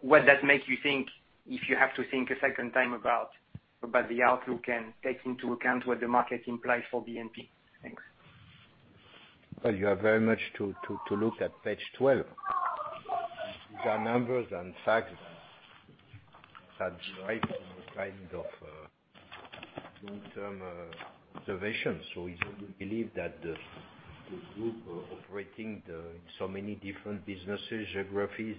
what that makes you think if you have to think a second time about the outlook and take into account what the market implies for BNP. Thanks. Well, you have very much to look at page 12. These are numbers and facts that derive from the kind of long-term observations. It's good to believe that the group operating in so many different businesses, geographies,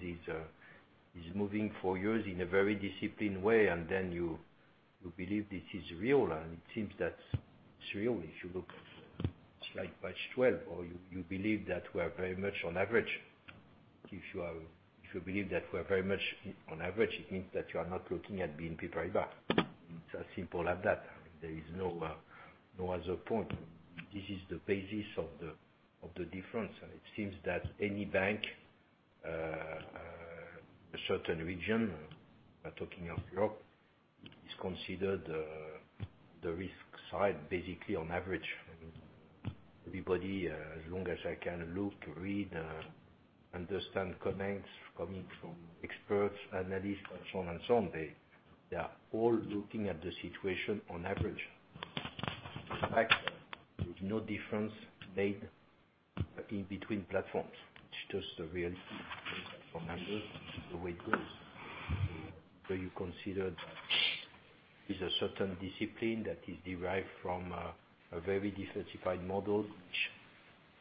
is moving for years in a very disciplined way, and then you believe this is real, and it seems that it's real if you look at slide page 12, or you believe that we are very much on average. If you believe that we're very much on average, it means that you are not looking at BNP Paribas. It's as simple as that. There is no other point. This is the basis of the difference, and it seems that any bank, a certain region, I'm talking of Europe, is considered the risk side, basically on average. Everybody, as long as I can look, read, understand comments coming from experts, analysts, and so on, they are all looking at the situation on average. There is no difference made in between platforms. It's just a reality from numbers the way it goes. You consider there's a certain discipline that is derived from a very diversified model, which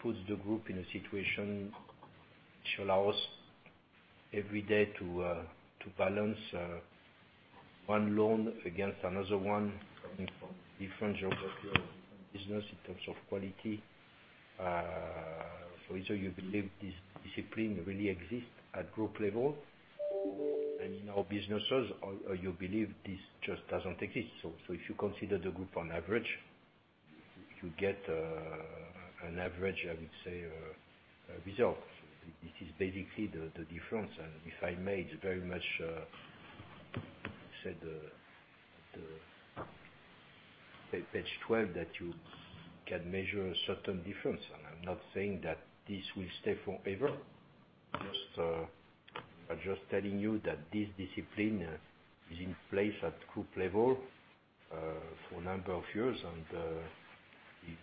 puts the group in a situation which allows every day to balance one loan against another one coming from different geographies or different business in terms of quality. Either you believe this discipline really exists at group level and in our businesses, or you believe this just doesn't exist. If you consider the group on average, you get an average, I would say, result. This is basically the difference. If I may, it's very much said at page 12 that you can measure a certain difference, and I'm not saying that this will stay forever. I'm just telling you that this discipline is in place at group level for a number of years, and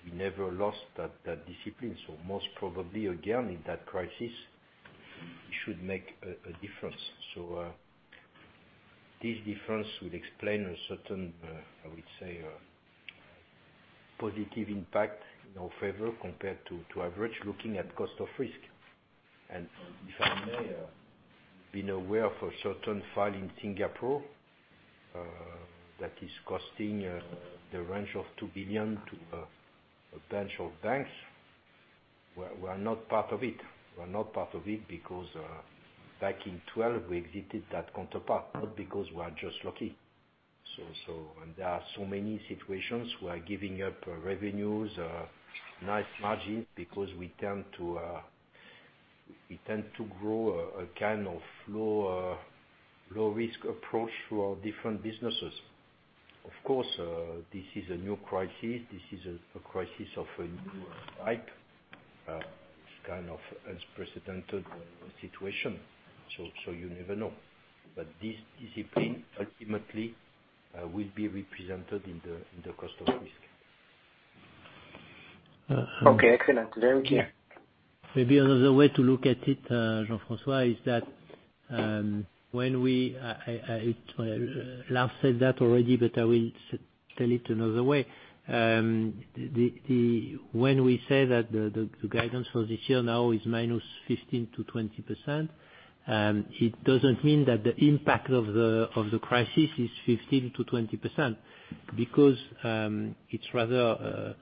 we never lost that discipline. Most probably, again, in that crisis, it should make a difference. This difference would explain a certain, I would say, positive impact in our favor compared to average, looking at cost of risk. If I may, being aware of a certain file in Singapore that is costing the range of 2 billion to a bunch of banks, we are not part of it. We are not part of it because back in 2012, we exited that counterpart, not because we are just lucky. There are so many situations we are giving up revenues, nice margins, because we tend to grow a kind of low-risk approach to our different businesses. Of course, this is a new crisis. This is a crisis of a new type. It's kind of unprecedented situation. You never know. This discipline ultimately will be represented in the cost of risk. Okay, excellent. Very clear. Maybe another way to look at it, Jean-François, is that when we Lars said that already, but I will tell it another way. When we say that the guidance for this year now is -15%-20%, it doesn't mean that the impact of the crisis is 15%-20%, because it's rather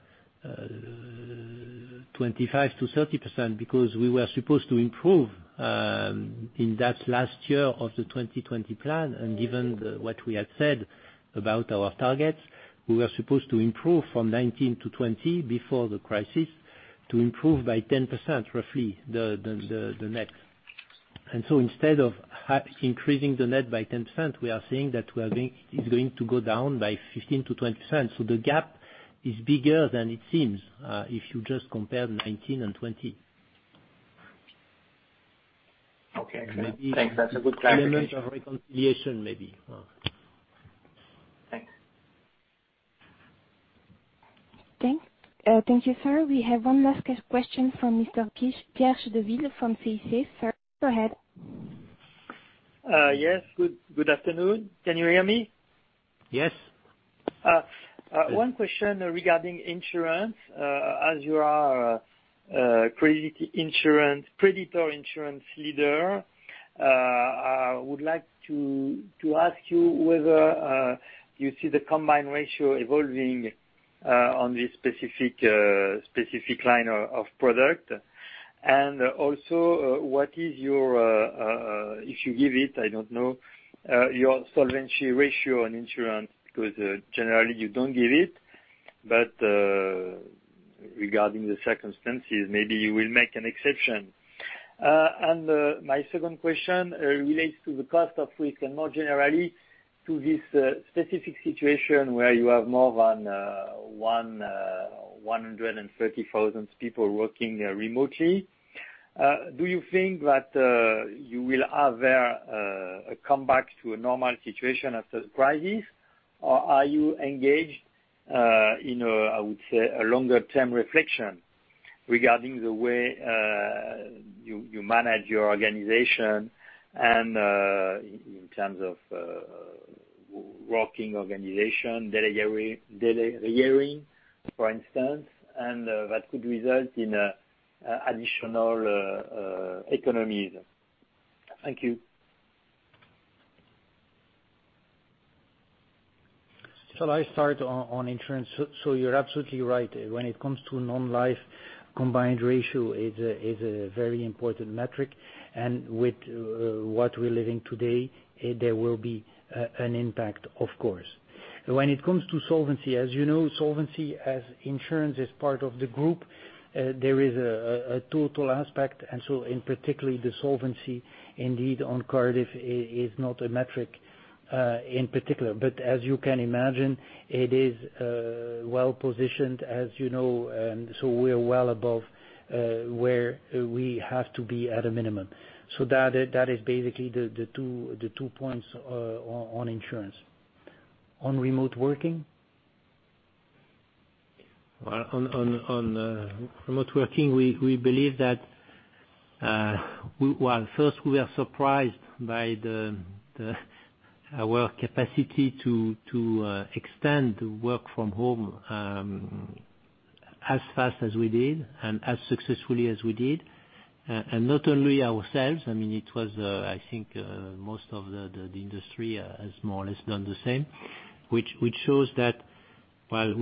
25%-30%, because we were supposed to improve in that last year of the 2020 plan. Given what we had said about our targets, we were supposed to improve from 2019 to 2020, before the crisis, to improve by 10%, roughly, the net. Instead of increasing the net by 10%, we are saying that it's going to go down by 15%-20%. The gap is bigger than it seems, if you just compare 2019 and 2020. Okay. Excellent. Thanks. That's a good clarification. Elements of reconciliation, maybe. Thanks. Thank you, sir. We have one last question from Mr. Pierre Chédeville from CIC. Sir, go ahead. Yes. Good afternoon. Can you hear me? Yes. One question regarding insurance. As you are a creditor insurance leader, I would like to ask you whether you see the combined ratio evolving on this specific line of product? Also, what is your, if you give it, I don't know, your solvency ratio on insurance, because generally you don't give it, but regarding the circumstances, maybe you will make an exception? My second question relates to the cost of risk and more generally to this specific situation where you have more than 130,000 people working remotely. Do you think that you will have a comeback to a normal situation after the crisis? Are you engaged in, I would say, a longer term reflection regarding the way you manage your organization and in terms of working organization, delegating, for instance, and that could result in additional economies? Thank you. You're absolutely right. When it comes to non-life, combined ratio is a very important metric, and with what we're living today, there will be an impact, of course. When it comes to solvency, as you know, solvency as insurance is part of the group, there is a total aspect. In particular, the solvency indeed on Cardif is not a metric in particular. As you can imagine, it is well-positioned, as you know, so we are well above where we have to be at a minimum. That is basically the two points on insurance. On remote working? Well, on remote working, we believe that, well, first, we are surprised by our capacity to extend work from home as fast as we did and as successfully as we did. Not only ourselves, it was, I think, most of the industry has more or less done the same, which shows that, well,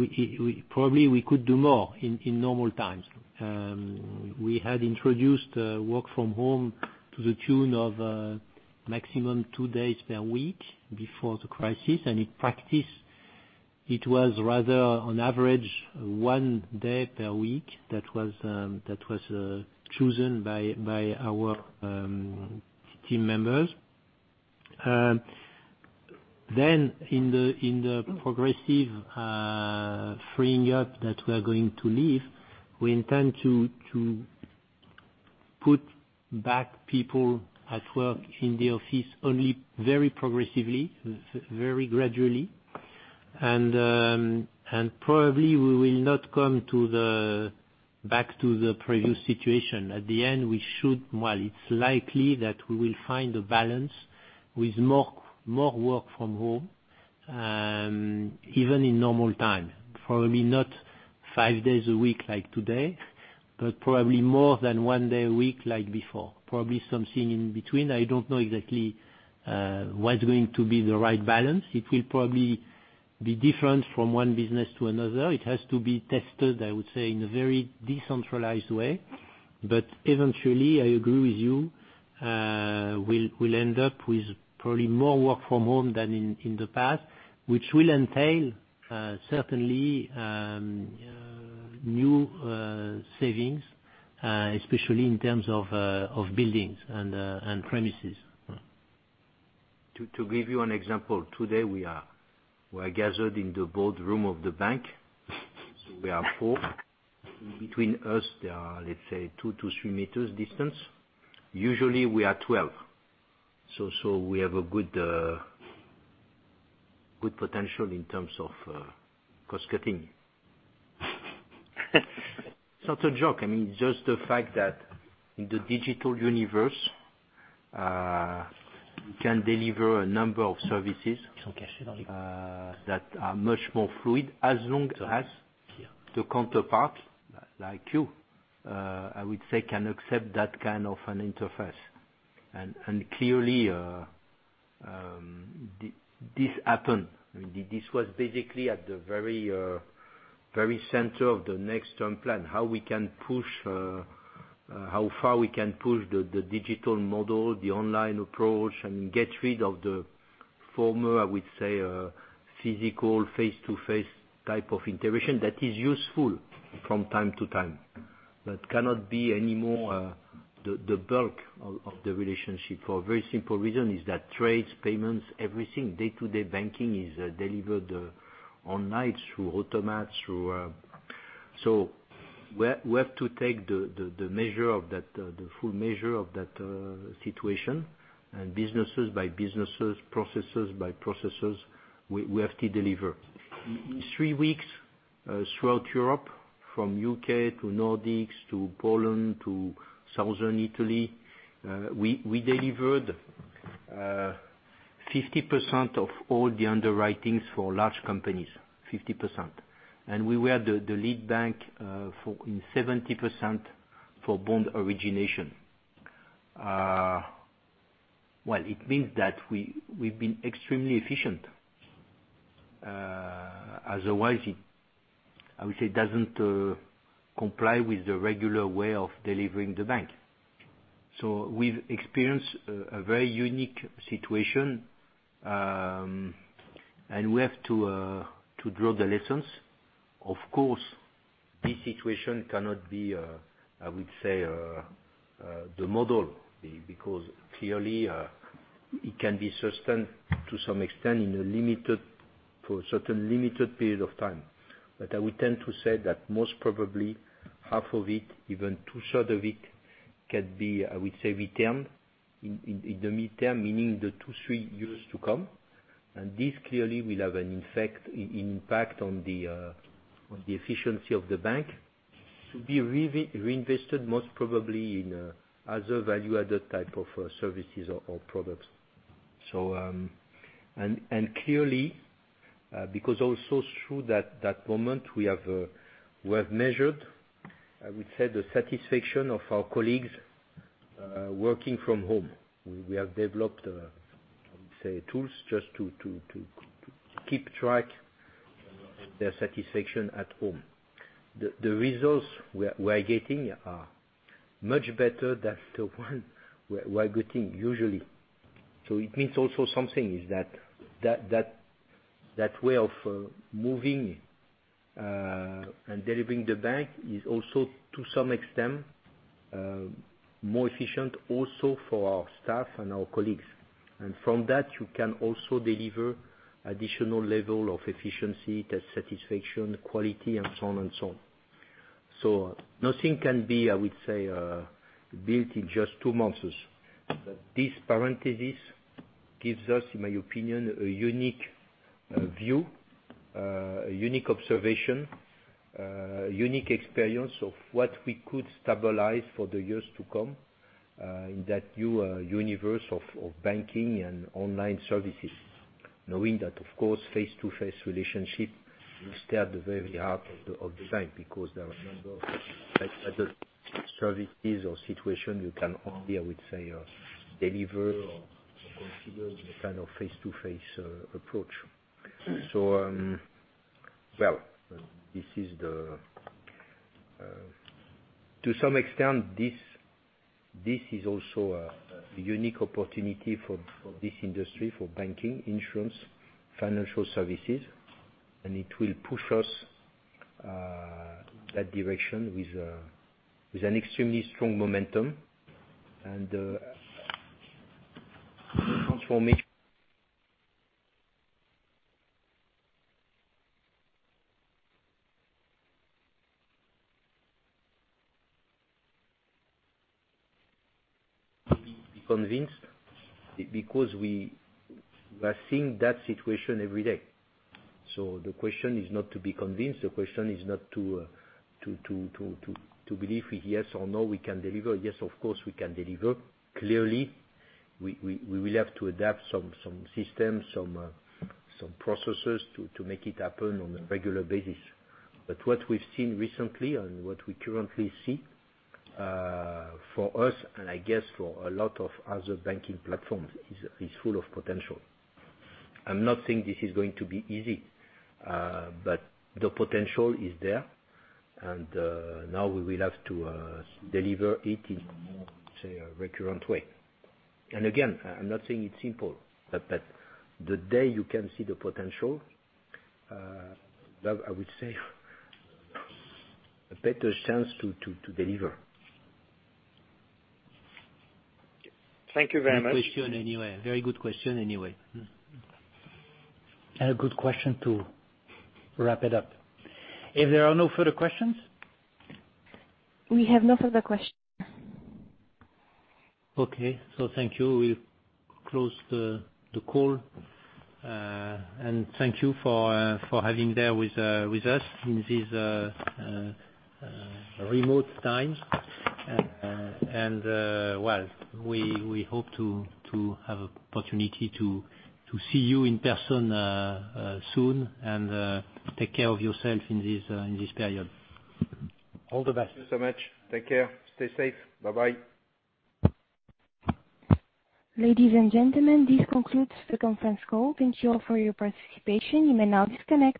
probably we could do more in normal times. We had introduced work from home to the tune of maximum two days per week before the crisis. In practice, it was rather on average one day per week that was chosen by our team members. In the progressive freeing up that we are going to live, we intend to put back people at work in the office only very progressively, very gradually. Probably we will not come back to the previous situation. At the end, it's likely that we will find a balance with more work from home, even in normal time. Probably not five days a week like today, but probably more than one day a week like before. Probably something in between. I don't know exactly what's going to be the right balance. It will probably be different from one business to another. It has to be tested, I would say, in a very decentralized way. Eventually, I agree with you, we'll end up with probably more work from home than in the past, which will entail certainly new savings, especially in terms of buildings and premises. To give you an example, today we are gathered in the boardroom of the bank. We are four. Between us, there are, let's say, two to three meters distance. Usually we are 12. We have a good potential in terms of cost-cutting. It's not a joke. Just the fact that in the digital universe, we can deliver a number of services that are much more fluid, as long as the counterpart, like you, I would say, can accept that kind of an interface. Clearly, this happened. This was basically at the very center of the next term plan, how far we can push the digital model, the online approach, and get rid of the former, I would say, physical face-to-face type of interaction that is useful from time to time, that cannot be any more the bulk of the relationship. For a very simple reason is that trades, payments, everything, day-to-day banking is delivered online through automats. We have to take the full measure of that situation, and businesses by businesses, processes by processes, we have to deliver. In three weeks, throughout Europe, from U.K. to Nordics to Poland to Southern Italy, we delivered 50% of all the underwritings for large companies, 50%. We were the lead bank in 70% for bond origination. Well, it means that we've been extremely efficient. Otherwise, I would say, it doesn't comply with the regular way of delivering the bank. We've experienced a very unique situation, and we have to draw the lessons. Of course, this situation cannot be, I would say, the model, because clearly it can be sustained to some extent in a certain limited period of time. I would tend to say that most probably half of it, even two-third of it can be, I would say, returned in the midterm, meaning the two, three years to come. This clearly will have an impact on the efficiency of the bank to be reinvested, most probably in other value-added type of services or products. Clearly, because also through that moment, we have measured, I would say, the satisfaction of our colleagues working from home. We have developed, I would say, tools just to keep track their satisfaction at home. The results we are getting are much better than the one we are getting usually. It means also something, is that way of moving and delivering the bank is also, to some extent, more efficient also for our staff and our colleagues. From that, you can also deliver additional level of efficiency, the satisfaction, quality, and so on. Nothing can be, I would say, built in just two months. This parenthesis gives us, in my opinion, a unique view, a unique observation, a unique experience of what we could stabilize for the years to come, in that new universe of banking and online services. Knowing that, of course, face-to-face relationship is still at the very heart of design because there are a number of services or situations you can only, I would say, deliver or consider in a kind of face-to-face approach. To some extent, this is also a unique opportunity for this industry, for banking, insurance, financial services, and it will push us that direction with an extremely strong momentum. [inaudible] Be convinced because we are seeing that situation every day. The question is not to be convinced. The question is not to believe if yes or no, we can deliver. Yes, of course, we can deliver. Clearly, we will have to adapt some systems, some processes to make it happen on a regular basis. What we've seen recently and what we currently see, for us, and I guess for a lot of other banking platforms, is full of potential. I'm not saying this is going to be easy, but the potential is there. Now we will have to deliver it in a more, say, a recurrent way. Again, I'm not saying it's simple, but the day you can see the potential, well, I would say, a better chance to deliver. Thank you very much. Good question anyway. Very good question anyway. A good question to wrap it up. If there are no further questions? We have no further questions. Okay. Thank you. We'll close the call. Thank you for having there with us in these remote times. Well, we hope to have an opportunity to see you in person soon, and take care of yourself in this period. All the best. Thank you so much. Take care. Stay safe. Bye-bye. Ladies and gentlemen, this concludes the conference call. Thank you all for your participation. You may now disconnect.